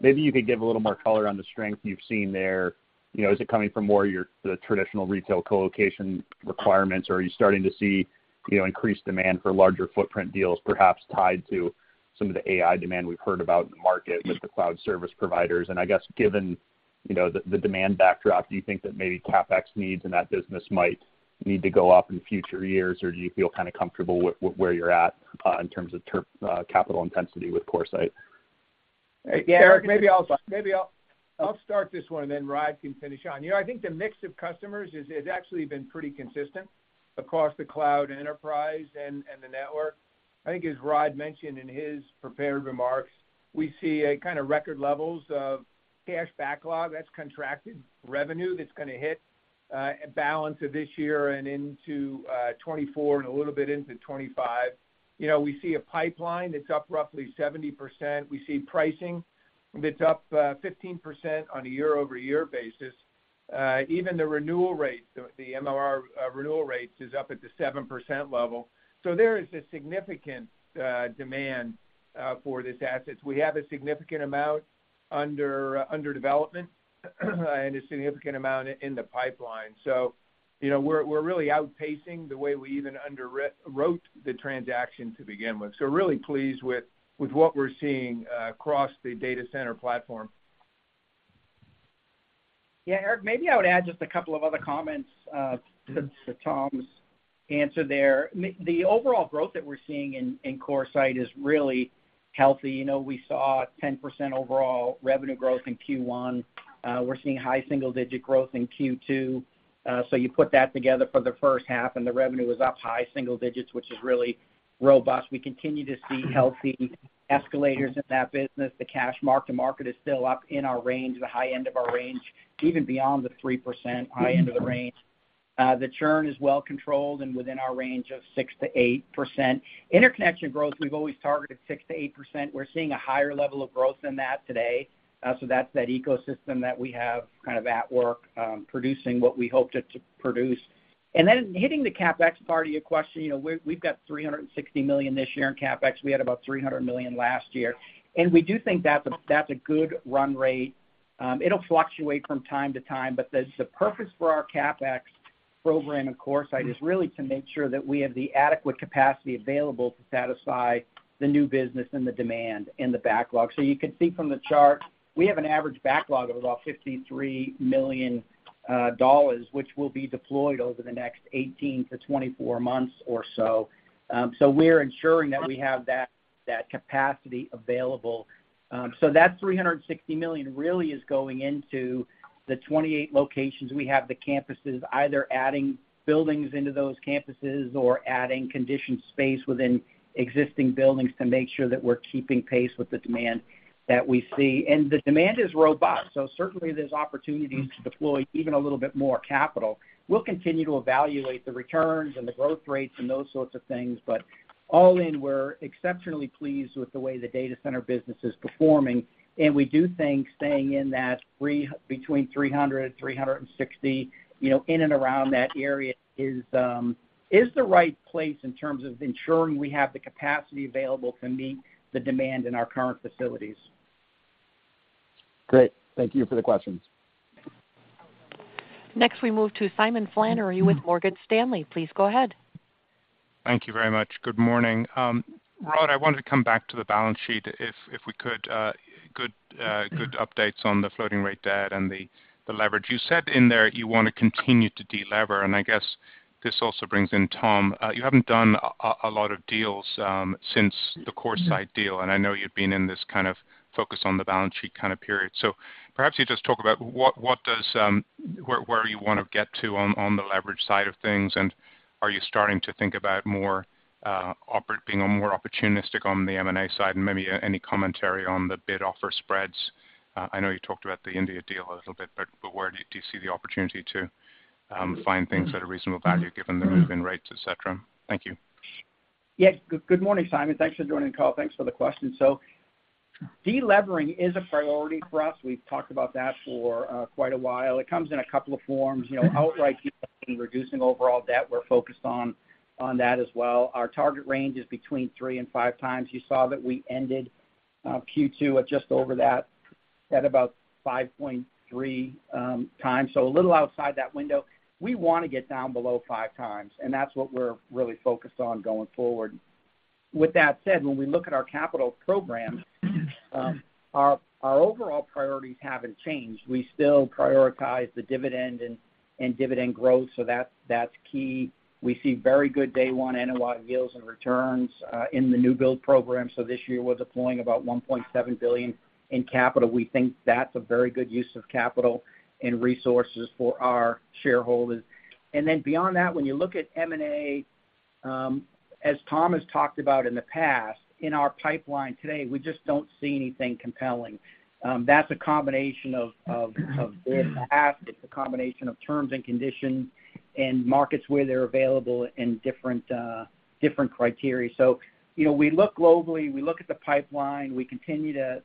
Maybe you could give a little more color on the strength you've seen there. You know, is it coming from more your, the traditional retail colocation requirements, or are you starting to see, you know, increased demand for larger footprint deals, perhaps tied to some of the AI demand we've heard about in the market with the cloud service providers? I guess, given, you know, the demand backdrop, do you think that maybe CapEx needs in that business might need to go up in future years, or do you feel kind of comfortable with where you're at in terms of capital intensity with CoreSite? Yeah, maybe I'll start this one, and then Rod can finish on. You know, I think the mix of customers is actually been pretty consistent across the cloud enterprise and the network. I think as Rod mentioned in his prepared remarks, we see a kind of record levels of cash backlog that's contracted revenue that's gonna hit balance of this year and into 2024 and a little bit into 2025. You know, we see a pipeline that's up roughly 70%. We see pricing that's up 15% on a year-over-year basis. Even the renewal rate, the MRR, renewal rates is up at the 7% level. There is a significant demand for these assets. We have a significant amount under development, and a significant amount in the pipeline. You know, we're really outpacing the way we even wrote the transaction to begin with. Really pleased with what we're seeing across the data center platform. Yeah, Eric, maybe I would add just a couple of other comments to Tom's answer there. The overall growth that we're seeing in CoreSite is really healthy. You know, we saw 10% overall revenue growth in Q1. We're seeing high single-digit growth in Q2. You put that together for the first half, and the revenue is up high single digits, which is really robust. We continue to see healthy escalators in that business. The cash mark to market is still up in our range, the high end of our range, even beyond the 3% high end of the range. The churn is well controlled and within our range of 6%-8%. Interconnection growth, we've always targeted 6%-8%. We're seeing a higher level of growth than that today. That's that ecosystem that we have kind of at work, producing what we hope it to produce. Hitting the CapEx part of your question, you know, we've got $360 million this year in CapEx. We had about $300 million last year, and we do think that's a good run rate. It'll fluctuate from time to time, but the purpose for our CapEx program, of course, is really to make sure that we have the adequate capacity available to satisfy the new business and the demand and the backlog. You can see from the chart, we have an average backlog of about $53 million, which will be deployed over the next 18-24 months or so. We're ensuring that we have that capacity available. So that $360 million really is going into the 28 locations. We have the campuses, either adding buildings into those campuses or adding conditioned space within existing buildings to make sure that we're keeping pace with the demand that we see. The demand is robust, so certainly there's opportunities to deploy even a little bit more capital. We'll continue to evaluate the returns and the growth rates and those sorts of things, but all in, we're exceptionally pleased with the way the data center business is performing, and we do think staying in that between $300, $360, you know, in and around that area is the right place in terms of ensuring we have the capacity available to meet the demand in our current facilities. Great. Thank you for the questions. Next, we move to Simon Flannery with Morgan Stanley. Please go ahead. Thank you very much. Good morning. Rod, I wanted to come back to the balance sheet, if we could. Good updates on the floating rate debt and the leverage. You said in there you want to continue to delever. I guess this also brings in Tom. You haven't done a lot of deals since the CoreSite deal. I know you've been in this kind of focus on the balance sheet kind of period. Perhaps you just talk about what does where you want to get to on the leverage side of things. Are you starting to think about more being more opportunistic on the M&A side? Maybe any commentary on the bid-offer spreads. I know you talked about the India deal a little bit, but where do you see the opportunity to find things at a reasonable value given the move in rates, et cetera? Thank you. Yeah. Good morning, Simon. Thanks for joining the call. Thanks for the question. delevering is a priority for us. We've talked about that for quite a while. It comes in a couple of forms, you know, outright delevering, reducing overall debt. We're focused on that as well. Our target range is between three and five times. You saw that we ended Q2 at just over that, at about 5.3x, a little outside that window. We want to get down below five times, and that's what we're really focused on going forward. With that said, when we look at our capital programs, our overall priorities haven't changed. We still prioritize the dividend and dividend growth, that's, that's key. We see very good day one NOI deals and returns in the new build program. This year, we're deploying about $1.7 billion in capital. We think that's a very good use of capital and resources for our shareholders. Beyond that, when you look at M&A, as Tom has talked about in the past, in our pipeline today, we just don't see anything compelling. That's a combination of where to ask. It's a combination of terms and conditions and markets where they're available and different criteria. You know, we look globally, we look at the pipeline. We continue to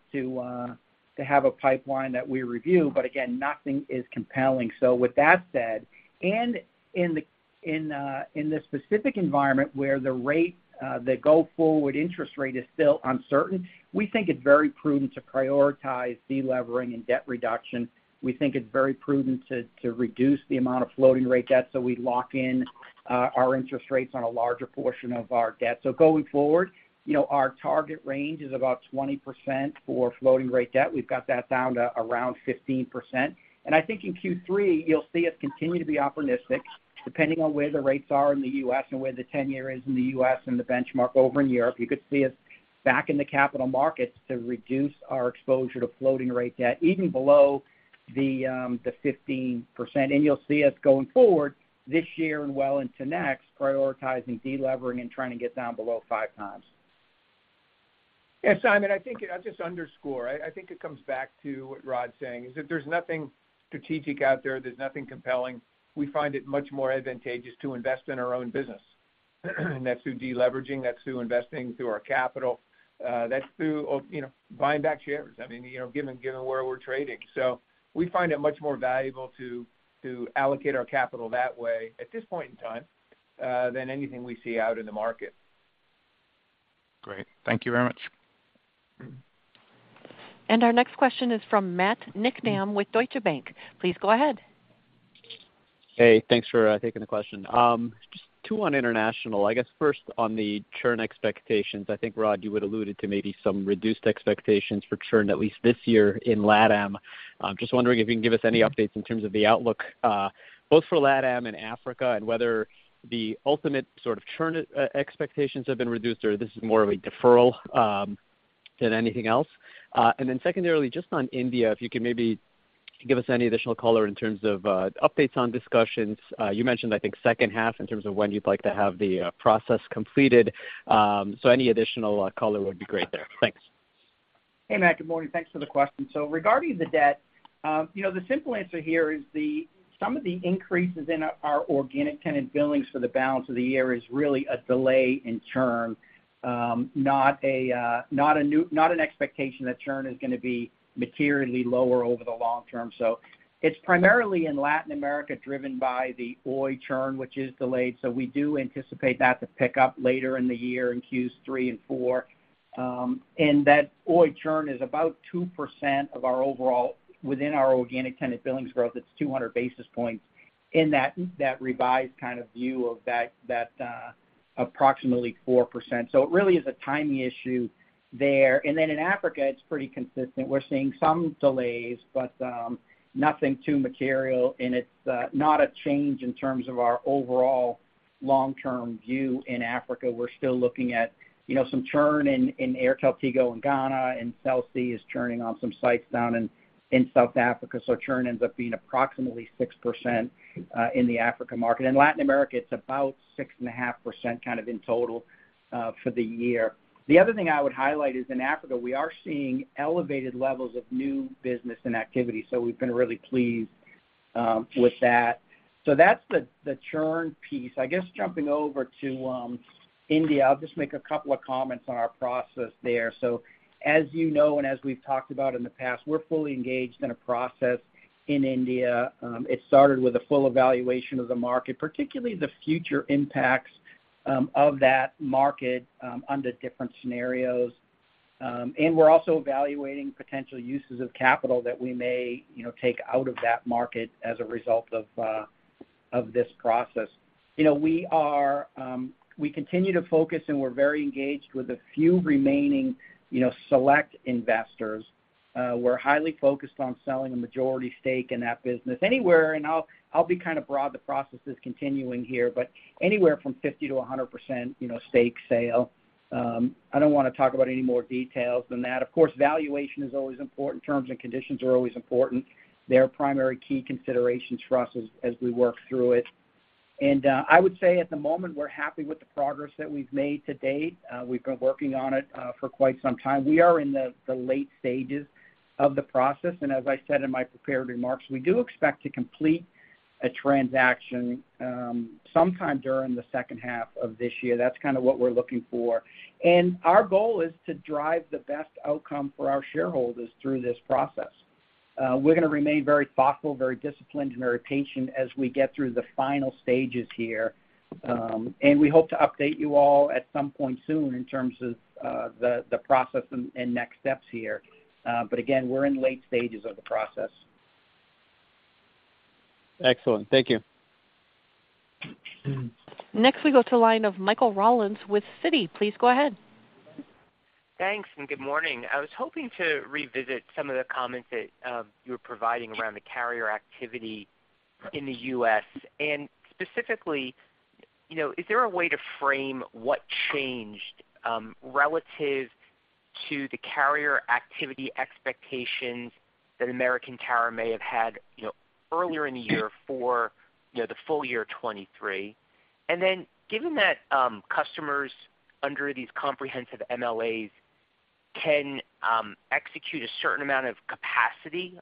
have a pipeline that we review, but again, nothing is compelling. With that said, in this specific environment where the rate, the go forward interest rate is still uncertain, we think it's very prudent to prioritize delevering and debt reduction. We think it's very prudent to reduce the amount of floating rate debt, we lock in our interest rates on a larger portion of our debt. Going forward, you know, our target range is about 20% for floating rate debt. We've got that down to around 15%. I think in Q3, you'll see us continue to be opportunistic, depending on where the rates are in the U.S. and where the 10 year is in the U.S. and the benchmark over in Europe. You could see us back in the capital markets to reduce our exposure to floating rate debt, even below the 15%. You'll see us going forward this year and well into next, prioritizing delevering and trying to get down below 5 times. Yeah, Simon, I think I'll just underscore. I think it comes back to what Rod's saying, is that there's nothing strategic out there. There's nothing compelling. We find it much more advantageous to invest in our own business. That's through deleveraging, that's through investing through our capital, that's through, you know, buying back shares. I mean, you know, given where we're trading. We find it much more valuable to allocate our capital that way, at this point in time, than anything we see out in the market. Great. Thank you very much. Our next question is from Matthew Niknam with Deutsche Bank. Please go ahead. Hey, thanks for taking the question. Just two on international. I guess first on the churn expectations, I think, Rod, you would alluded to maybe some reduced expectations for churn, at least this year in LATAM. Just wondering if you can give us any updates in terms of the outlook, both for LATAM and Africa, and whether the ultimate sort of churn expectations have been reduced, or this is more of a deferral than anything else? Then secondarily, just on India, if you could maybe give us any additional color in terms of updates on discussions. You mentioned, I think, second half in terms of when you'd like to have the process completed. Any additional color would be great there. Thanks. Hey, Matt, good morning. Thanks for the question. Regarding the debt, you know, the simple answer here is some of the increases in our organic tenant billings for the balance of the year is really a delay in churn, not an expectation that churn is gonna be materially lower over the long-term. It's primarily in Latin America, driven by the Oi churn, which is delayed. We do anticipate that to pick up later in the year in Q3 and four. That Oi churn is about 2% of our overall, within our organic tenant billings growth, it's 200 basis points in that revised kind of view of that approximately 4%. It really is a timing issue there. Then in Africa, it's pretty consistent. We're seeing some delays, nothing too material, it's not a change in terms of our overall long-term view in Africa. We're still looking at some churn in AirtelTigo in Ghana, Cell C is churning on some sites down in South Africa. Churn ends up being approximately 6% in the Africa market. In Latin America, it's about 6.5% kind of in total for the year. The other thing I would highlight is in Africa, we are seeing elevated levels of new business and activity, we've been really pleased with that. That's the churn piece. I guess, jumping over to India, I'll just make a couple of comments on our process there. As you know, and as we've talked about in the past, we're fully engaged in a process in India. It started with a full evaluation of the market, particularly the future impacts of that market under different scenarios. We're also evaluating potential uses of capital that we may, you know, take out of that market as a result of this process. You know, we are, we continue to focus, and we're very engaged with a few remaining, you know, select investors. We're highly focused on selling a majority stake in that business anywhere, and I'll, I'll be kind of broad, the process is continuing here, but anywhere from 50%-100%, you know, stake sale. I don't want to talk about any more details than that. Of course, valuation is always important. Terms and conditions are always important. They're primary key considerations for us as we work through it. I would say at the moment, we're happy with the progress that we've made to date. We've been working on it for quite some time. We are in the late stages of the process, and as I said in my prepared remarks, we do expect to complete a transaction sometime during the second half of this year. That's kind of what we're looking for. Our goal is to drive the best outcome for our shareholders through this process. We're gonna remain very thoughtful, very disciplined, and very patient as we get through the final stages here. We hope to update you all at some point soon in terms of the process and next steps here. Again, we're in late stages of the process. Excellent. Thank you. We go to line of Michael Rollins with Citi. Please go ahead. Thanks. Good morning. I was hoping to revisit some of the comments that you were providing around the carrier activity in the U.S. Specifically, you know, is there a way to frame what changed to the carrier activity expectations that American Tower may have had, you know, earlier in the year for, you know, the full year 2023? Given that customers under these comprehensive MLAs can execute a certain amount of capacity,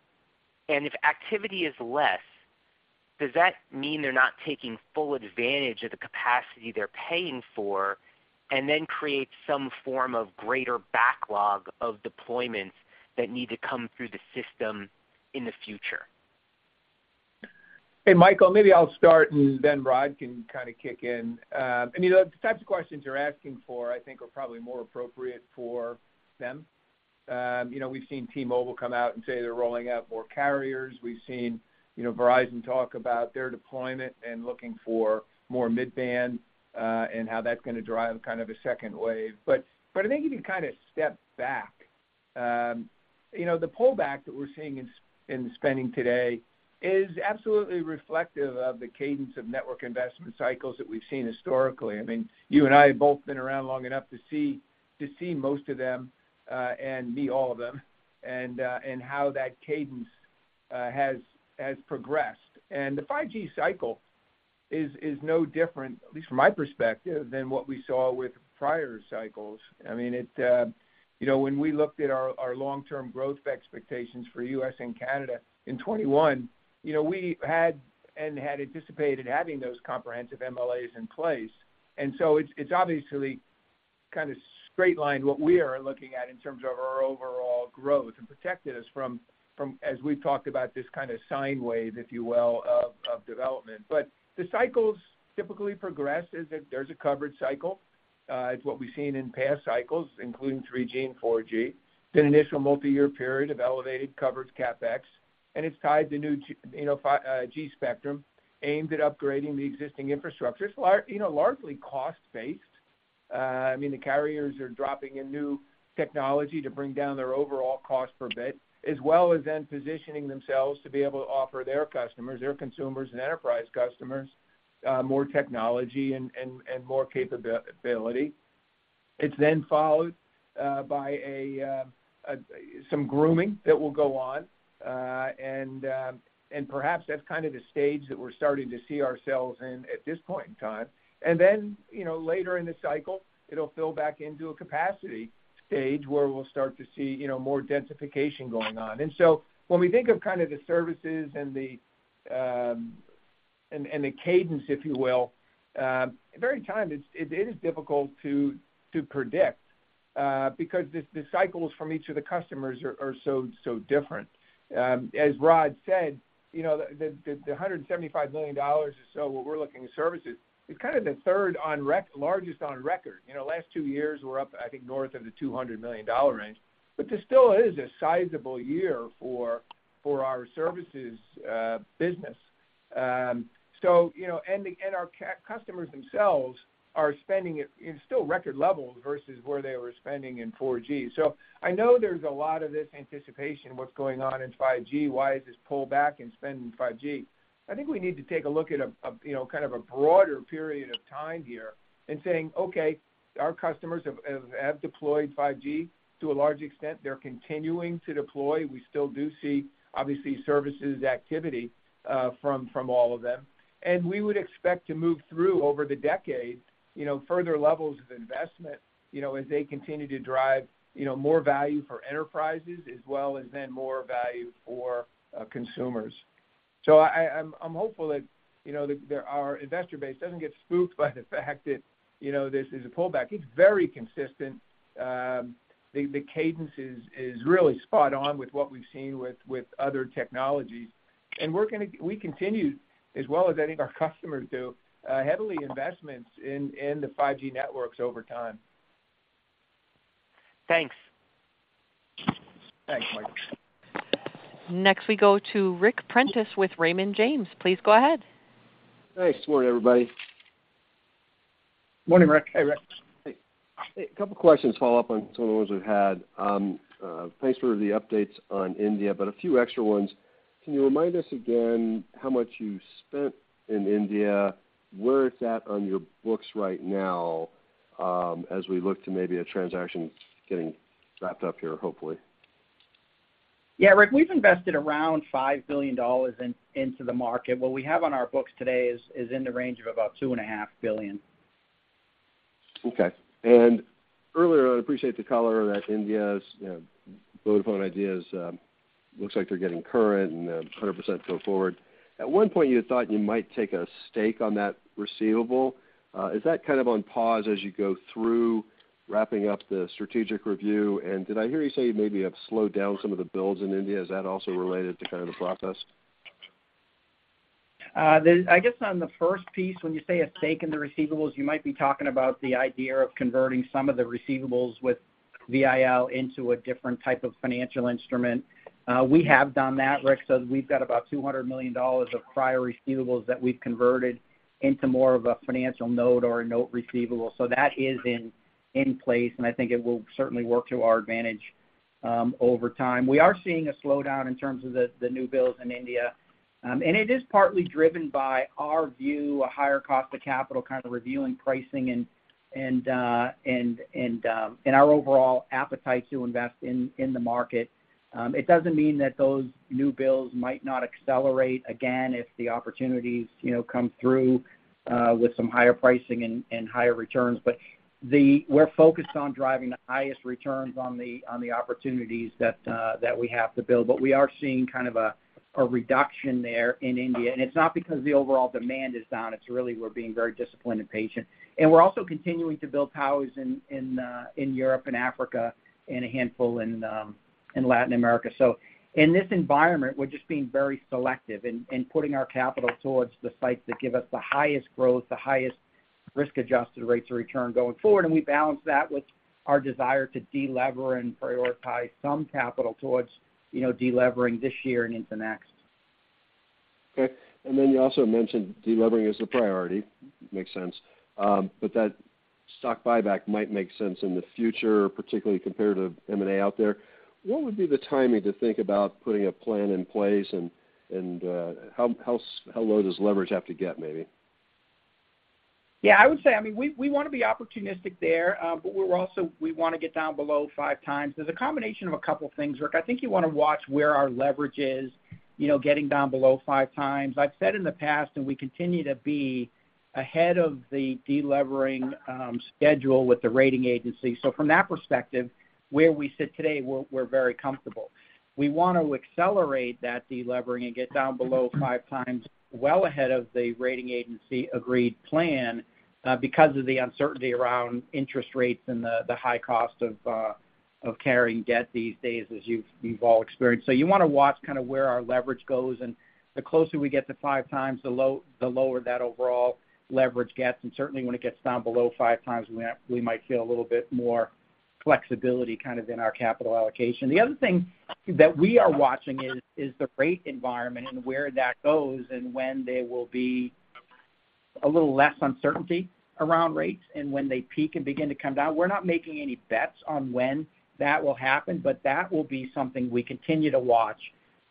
and if activity is less, does that mean they're not taking full advantage of the capacity they're paying for, and then create some form of greater backlog of deployments that need to come through the system in the future? Hey, Michael, maybe I'll start, and then Rod can kinda kick in. You know, the types of questions you're asking for, I think are probably more appropriate for them. You know, we've seen T-Mobile come out and say they're rolling out more carriers. We've seen, you know, Verizon talk about their deployment and looking for more mid-band, and how that's gonna drive kind of a second wave. I think if you kind of step back, you know, the pullback that we're seeing in spending today is absolutely reflective of the cadence of network investment cycles that we've seen historically. I mean, you and I have both been around long enough to see most of them, and me, all of them, and how that cadence has progressed. The 5G cycle is no different, at least from my perspective, than what we saw with prior cycles. I mean, it, you know, when we looked at our, our long-term growth expectations for U.S. and Canada in 2021, you know, we had anticipated having those comprehensive MLAs in place. It's obviously kind of straight-lined what we are looking at in terms of our overall growth and protected us from, as we've talked about, this kind of sine wave, if you will, of development. The cycles typically progress, is that there's a coverage cycle. It's what we've seen in past cycles, including 3G and 4G, an initial multi-year period of elevated coverage CapEx, and it's tied to new, you know, G spectrum, aimed at upgrading the existing infrastructure. It's, you know, largely cost-based. I mean, the carriers are dropping in new technology to bring down their overall cost per bit, as well as then positioning themselves to be able to offer their customers, their consumers and enterprise customers, more technology and more capability. It's then followed by some grooming that will go on. Perhaps that's kind of the stage that we're starting to see ourselves in at this point in time. Then, you know, later in the cycle, it'll fill back into a capacity stage where we'll start to see, you know, more densification going on. When we think of kind of the services and the cadence, if you will, at any time, it is difficult to predict because the cycles from each of the customers are so different. As Rod said, you know, the $175 million or so, what we're looking at services, is kind of the third largest on record. You know, last two years were up, I think, north of the $200 million range. This still is a sizable year for our services business. So, you know, and our customers themselves are spending at, in still record levels versus where they were spending in 4G. I know there's a lot of this anticipation, what's going on in 5G? Why is this pullback in spending in 5G? I think we need to take a look at a, you know, kind of a broader period of time here and saying, Okay, our customers have deployed 5G to a large extent. They're continuing to deploy. We still do see, obviously, services activity from all of them. We would expect to move through over the decade, you know, further levels of investment, you know, as they continue to drive, you know, more value for enterprises as well as then more value for consumers. I'm hopeful that, you know, that our investor base doesn't get spooked by the fact that, you know, this is a pullback. It's very consistent. The cadence is really spot on with what we've seen with other technologies, we continue, as well as any of our customers do, heavily investments in the 5G networks over time. Thanks. Thanks, Michael. Next, we go to Ric Prentiss with Raymond James. Please go ahead. Thanks. Good morning, everybody. Morning, Rick. Hey, Rick. A couple questions to follow up on some of the ones we've had. Thanks for the updates on India, but a few extra ones. Can you remind us again how much you spent in India, where it's at on your books right now, as we look to maybe a transaction getting wrapped up here, hopefully? Yeah, Rick, we've invested around $5 billion into the market. What we have on our books today is in the range of about $ two and a half billion. Okay. Earlier, I'd appreciate the color that India's, you know, Vodafone Idea's, looks like they're getting current and 100% go forward. At 1 point, you thought you might take a stake on that receivable. Is that kind of on pause as you go through wrapping up the strategic review? Did I hear you say you maybe have slowed down some of the builds in India? Is that also related to kind of the process? I guess on the first piece, when you say a stake in the receivables, you might be talking about the idea of converting some of the receivables with VIL into a different type of financial instrument. We have done that, Ric, so we've got about $200 million of prior receivables that we've converted into more of a financial note or a note receivable. That is in, in place, and I think it will certainly work to our advantage. over time. We are seeing a slowdown in terms of the, the new builds in India. It is partly driven by our view, a higher cost of capital, kind of reviewing pricing and, and our overall appetite to invest in, in the market. It doesn't mean that those new builds might not accelerate again, if the opportunities, you know, come through with some higher pricing and, and higher returns. We're focused on driving the highest returns on the, on the opportunities that we have to build. We are seeing kind of a, a reduction there in India, it's not because the overall demand is down, it's really we're being very disciplined and patient. We're also continuing to build towers in Europe and Africa and a handful in Latin America. In this environment, we're just being very selective in putting our capital towards the sites that give us the highest growth, the highest risk-adjusted rates of return going forward, and we balance that with our desire to delever and prioritize some capital towards, you know, delevering this year and into next. Okay. Then you also mentioned delevering is a priority. Makes sense. That stock buyback might make sense in the future, particularly compared to M&A out there. What would be the timing to think about putting a plan in place, and how low does leverage have to get, maybe? Yeah, I would say, I mean, we, we wanna be opportunistic there, but we wanna get down below five times. There's a combination of a couple things, Ric. I think you wanna watch where our leverage is, you know, getting down below five times. I've said in the past, we continue to be ahead of the delevering schedule with the rating agency. From that perspective, where we sit today, we're very comfortable. We want to accelerate that delevering and get down below five times, well ahead of the rating agency agreed plan, because of the uncertainty around interest rates and the high cost of carrying debt these days, as you've all experienced. You wanna watch kind of where our leverage goes, and the closer we get to five times, the lower that overall leverage gets, and certainly when it gets down below five times, we might feel a little bit more flexibility kind of in our capital allocation. The other thing that we are watching is the rate environment and where that goes and when there will be a little less uncertainty around rates and when they peak and begin to come down. We're not making any bets on when that will happen, that will be something we continue to watch.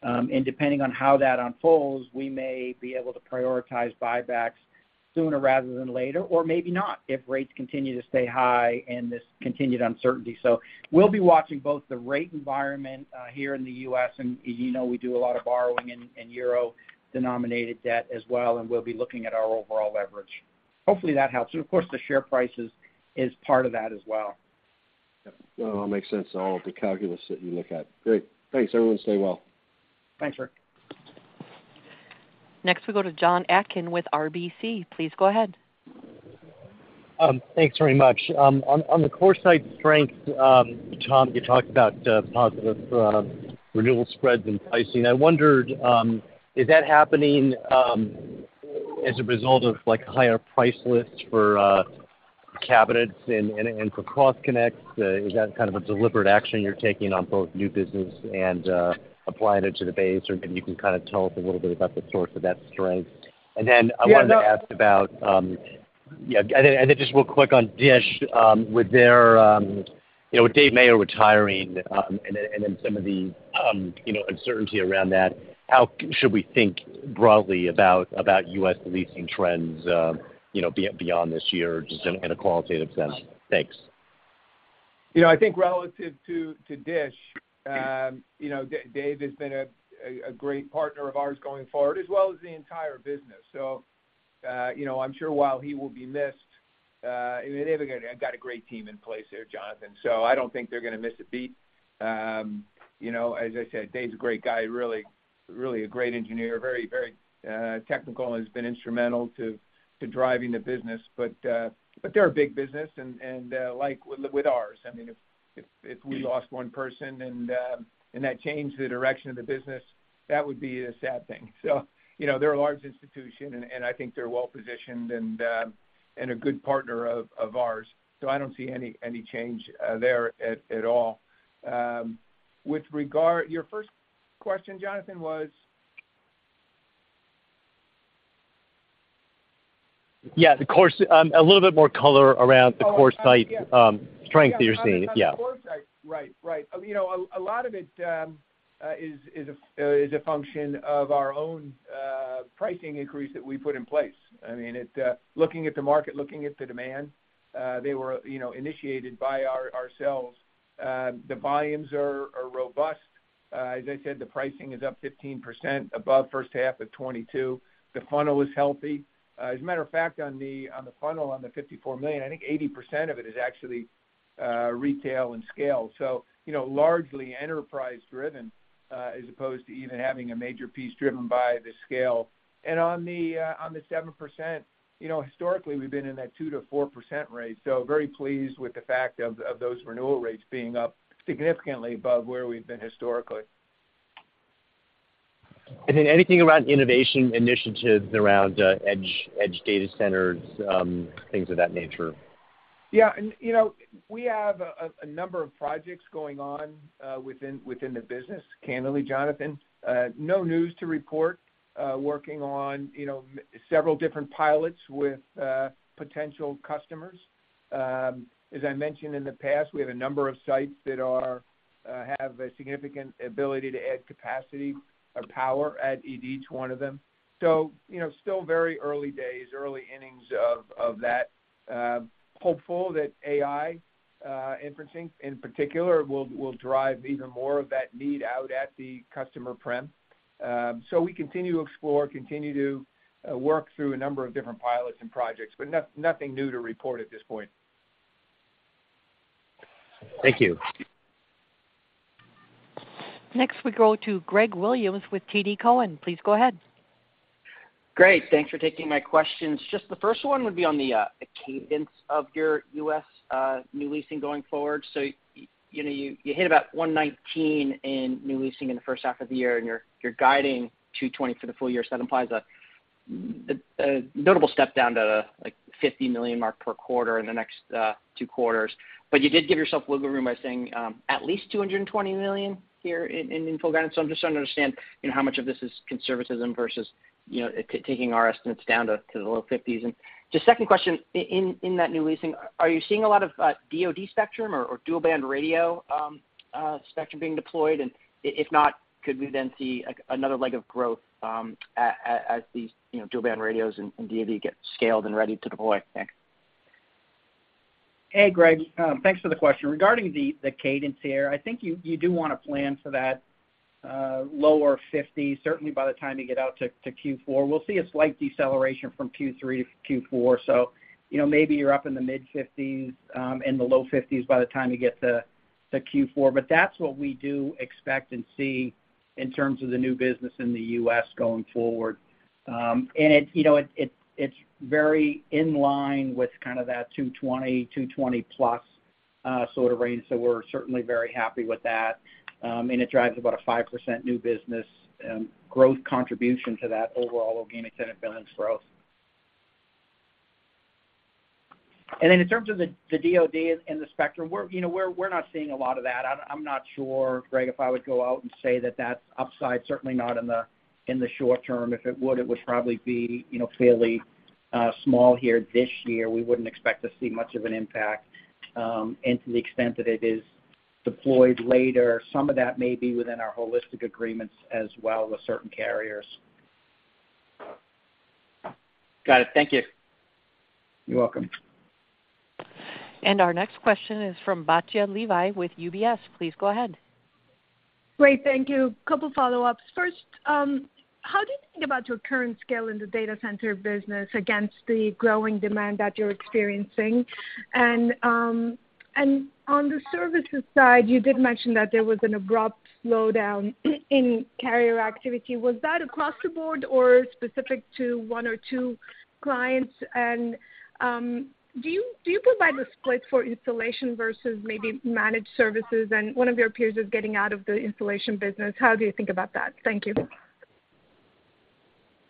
Depending on how that unfolds, we may be able to prioritize buybacks sooner rather than later, or maybe not, if rates continue to stay high and this continued uncertainty. We'll be watching both the rate environment here in the U.S., and you know, we do a lot of borrowing in euro-denominated debt as well, and we'll be looking at our overall leverage. Hopefully, that helps. Of course, the share prices is part of that as well. Yeah. Well, it makes sense, all of the calculus that you look at. Great. Thanks, everyone. Stay well. Thanks, Rick. We go to Jonathan Atkin with RBC. Please go ahead. Thanks very much. On, on the CoreSite strength, Tom, you talked about positive renewal spreads and pricing. I wondered, is that happening, as a result of, like, higher price lists for cabinets and, and, and for cross connects? Is that kind of a deliberate action you're taking on both new business and applying it to the base? Or maybe you can kind of tell us a little bit about the source of that strength. I wanted to ask about, and then just real quick on Dish, with their, you know, with David Mayers retiring, and then some of the, you know, uncertainty around that, how should we think broadly about, about U.S. leasing trends, you know, beyond this year, just in, in a qualitative sense? Thanks. You know, I think relative to Dish, you know, Dave has been a great partner of ours going forward, as well as the entire business. You know, I'm sure while he will be missed, they've got a great team in place there, Jonathan, so I don't think they're gonna miss a beat. You know, as I said, Dave's a great guy, really a great engineer, very technical and has been instrumental to driving the business. They're a big business and like with ours, I mean, if we lost one person and that changed the direction of the business, that would be a sad thing. You know, they're a large institution, and I think they're well-positioned and a good partner of ours. I don't see any change there at all. Your first question, Jonathan, was? Yeah, a little bit more color around CoreSite. Oh, yeah. strength that you're seeing. Yeah. CoreSite. Right. You know, a lot of it is a function of our own pricing increase that we put in place. I mean, looking at the market, looking at the demand, they were, you know, initiated by ourselves. The volumes are robust. As I said, the pricing is up 15%, above first half of 2022. The funnel is healthy. As a matter of fact, on the funnel, on the $54 million, I think 80% of it is actually retail and scale. You know, largely enterprise driven, as opposed to even having a major piece driven by the scale. On the, on the 7%, you know, historically, we've been in that 2%-4% range, so very pleased with the fact of, of those renewal rates being up significantly above where we've been historically. Anything around innovation initiatives around, edge data centers, things of that nature? Yeah, you know, we have a number of projects going on within the business. Candidly, Jonathan, no news to report, working on, you know, several different pilots with potential customers. As I mentioned in the past, we have a number of sites that are, have a significant ability to add capacity or power at each one of them. You know, still very early days, early innings of that. Hopeful that AI, inferencing, in particular, will drive even more of that need out at the customer prem. We continue to explore, continue to work through a number of different pilots and projects, but nothing new to report at this point. Thank you. Next, we go to Gregory Williams with TD Cowen. Please go ahead. Great, thanks for taking my questions. Just the first one would be on the cadence of your U.S. new leasing going forward. you know, you, you hit about 119 in new leasing in the first half of the year, and you're, you're guiding 220 for the full year. that implies a notable step down to, like, $50 million mark per quarter in the next 2 quarters. you did give yourself wiggle room by saying, at least $220 million here in full guidance. I'm just trying to understand, you know, how much of this is conservatism versus, you know, taking our estimates down to the low 50s. Just second question, in that new leasing, are you seeing a lot of DoD spectrum or dual band radio spectrum being deployed? If not, could we then see another leg of growth as these, you know, dual band radios and DoD get scaled and ready to deploy? Thanks. Hey, Greg, thanks for the question. Regarding the cadence here, I think you do wanna plan for that lower 50s, certainly by the time you get out to Q4. We'll see a slight deceleration from Q3 to Q4. You know, maybe you're up in the mid-50s and the low 50s by the time you get to Q4. That's what we do expect and see in terms of the new business in the U.S. going forward. It, you know, it's very in line with kind of that 220, 220+ sort of range, we're certainly very happy with that. It drives about a 5% new business and growth contribution to that overall organic tenant billings growth. Then in terms of the DoD and the spectrum, we're not seeing a lot of that. I'm not sure, Greg, if I would go out and say that that's upside, certainly not in the short-term. If it would, it would probably be fairly small here this year. We wouldn't expect to see much of an impact. To the extent that it is deployed later, some of that may be within our holistic agreements as well with certain carriers. Got it. Thank you. You're welcome. Our next question is from Batia Levi with UBS. Please go ahead. Great, thank you. Couple follow-ups. First, how do you think about your current scale in the data center business against the growing demand that you're experiencing? On the services side, you did mention that there was an abrupt slowdown in carrier activity. Was that across the board or specific to one or two clients? Do you provide a split for installation versus maybe managed services? One of your peers is getting out of the installation business, how do you think about that? Thank you.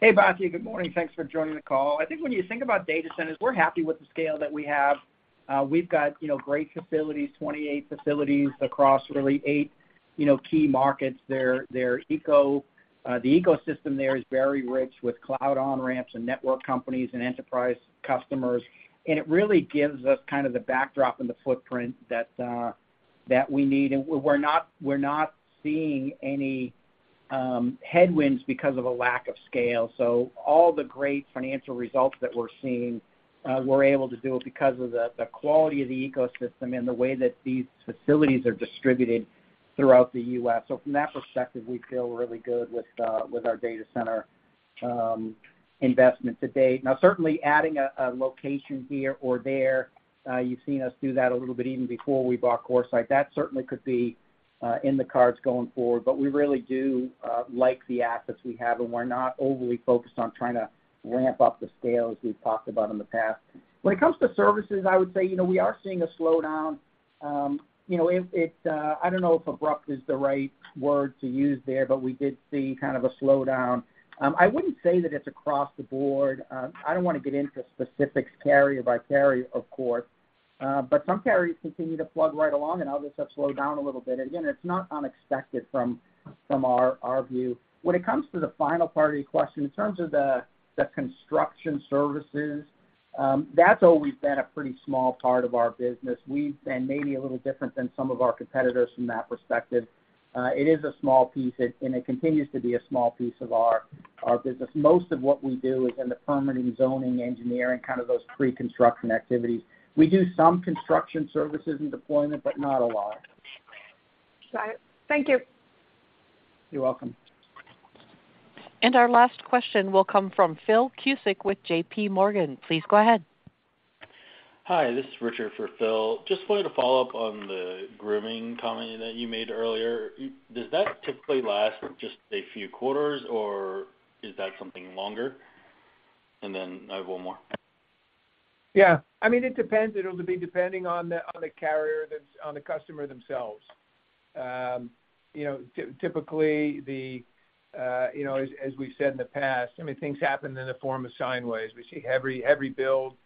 Hey, Batia. Good morning. Thanks for joining the call. I think when you think about data centers, we're happy with the scale that we have. We've got, you know, great facilities, 28 facilities across really eight, you know, key markets. The ecosystem there is very rich with cloud on-ramps and network companies and enterprise customers. It really gives us kind of the backdrop and the footprint that we need. We're not, we're not seeing any headwinds because of a lack of scale. All the great financial results that we're seeing, we're able to do it because of the quality of the ecosystem and the way that these facilities are distributed throughout the U.S. From that perspective, we feel really good with our data center investment to date. Certainly adding a location here or there, you've seen us do that a little bit even before we bought CoreSite. That certainly could be in the cards going forward, but we really do like the assets we have, and we're not overly focused on trying to ramp up the scale as we've talked about in the past. When it comes to services, I would say, you know, we are seeing a slowdown. You know, I don't know if abrupt is the right word to use there, but we did see kind of a slowdown. I wouldn't say that it's across the board. I don't wanna get into specifics, carrier by carrier, of course, but some carriers continue to plug right along, and others have slowed down a little bit. Again, it's not unexpected from our view. When it comes to the final part of your question, in terms of the construction services, that's always been a pretty small part of our business. We've been maybe a little different than some of our competitors from that perspective. It is a small piece, and it continues to be a small piece of our business. Most of what we do is in the permitting, zoning, engineering, kind of those pre-construction activities. We do some construction services and deployment, but not a lot. Got it. Thank you. You're welcome. Our last question will come from Philip Cusick with J.P. Morgan. Please go ahead. Hi, this is Richard for Phil. Just wanted to follow up on the grooming comment that you made earlier. Does that typically last just a few quarters, or is that something longer? I have one more. Yeah. I mean, it depends. It'll be depending on the, on the carrier on the customer themselves. you know, typically, the, you know, as we've said in the past, I mean, things happen in the form of sine waves. We see heavy build,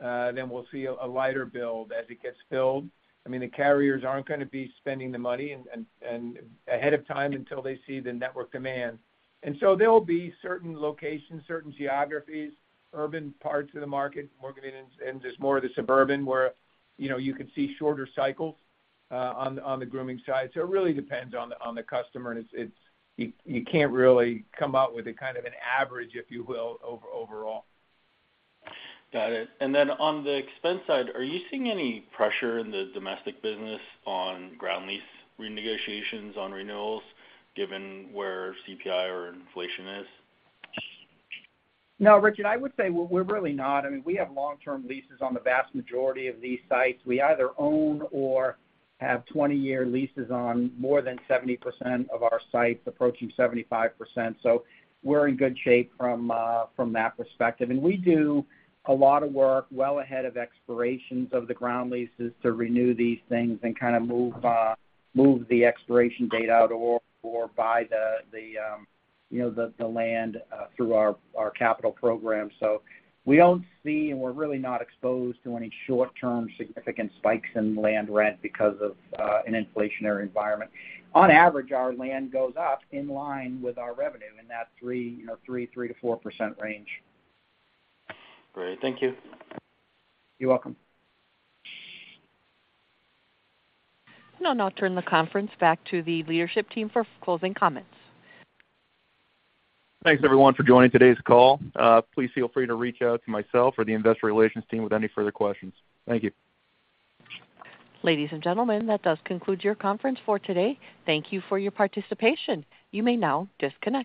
then we'll see a lighter build as it gets filled. I mean, the carriers aren't gonna be spending the money ahead of time until they see the network demand. There will be certain locations, certain geographies, urban parts of the market, more getting into more of the suburban where, you know, you can see shorter cycles on the grooming side. It really depends on the, on the customer, and it's you can't really come out with a kind of an average, if you will, overall. Got it. On the expense side, are you seeing any pressure in the domestic business on ground lease renegotiations, on renewals, given where CPI or inflation is? No, Richard, I would say we're really not. I mean, we have long-term leases on the vast majority of these sites. We either own or have 20-year leases on more than 70% of our sites, approaching 75%, so we're in good shape from that perspective. We do a lot of work well ahead of expirations of the ground leases to renew these things and kind of move the expiration date out or buy the, you know, the land through our capital program. We don't see and we're really not exposed to any short-term significant spikes in land rent because of an inflationary environment. On average, our land goes up in line with our revenue in that, you know, 3%-4% range. Great. Thank you. You're welcome. I'll now turn the conference back to the leadership team for closing comments. Thanks, everyone, for joining today's call. Please feel free to reach out to myself or the investor relations team with any further questions. Thank you. Ladies and gentlemen, that does conclude your conference for today. Thank you for your participation. You may now disconnect.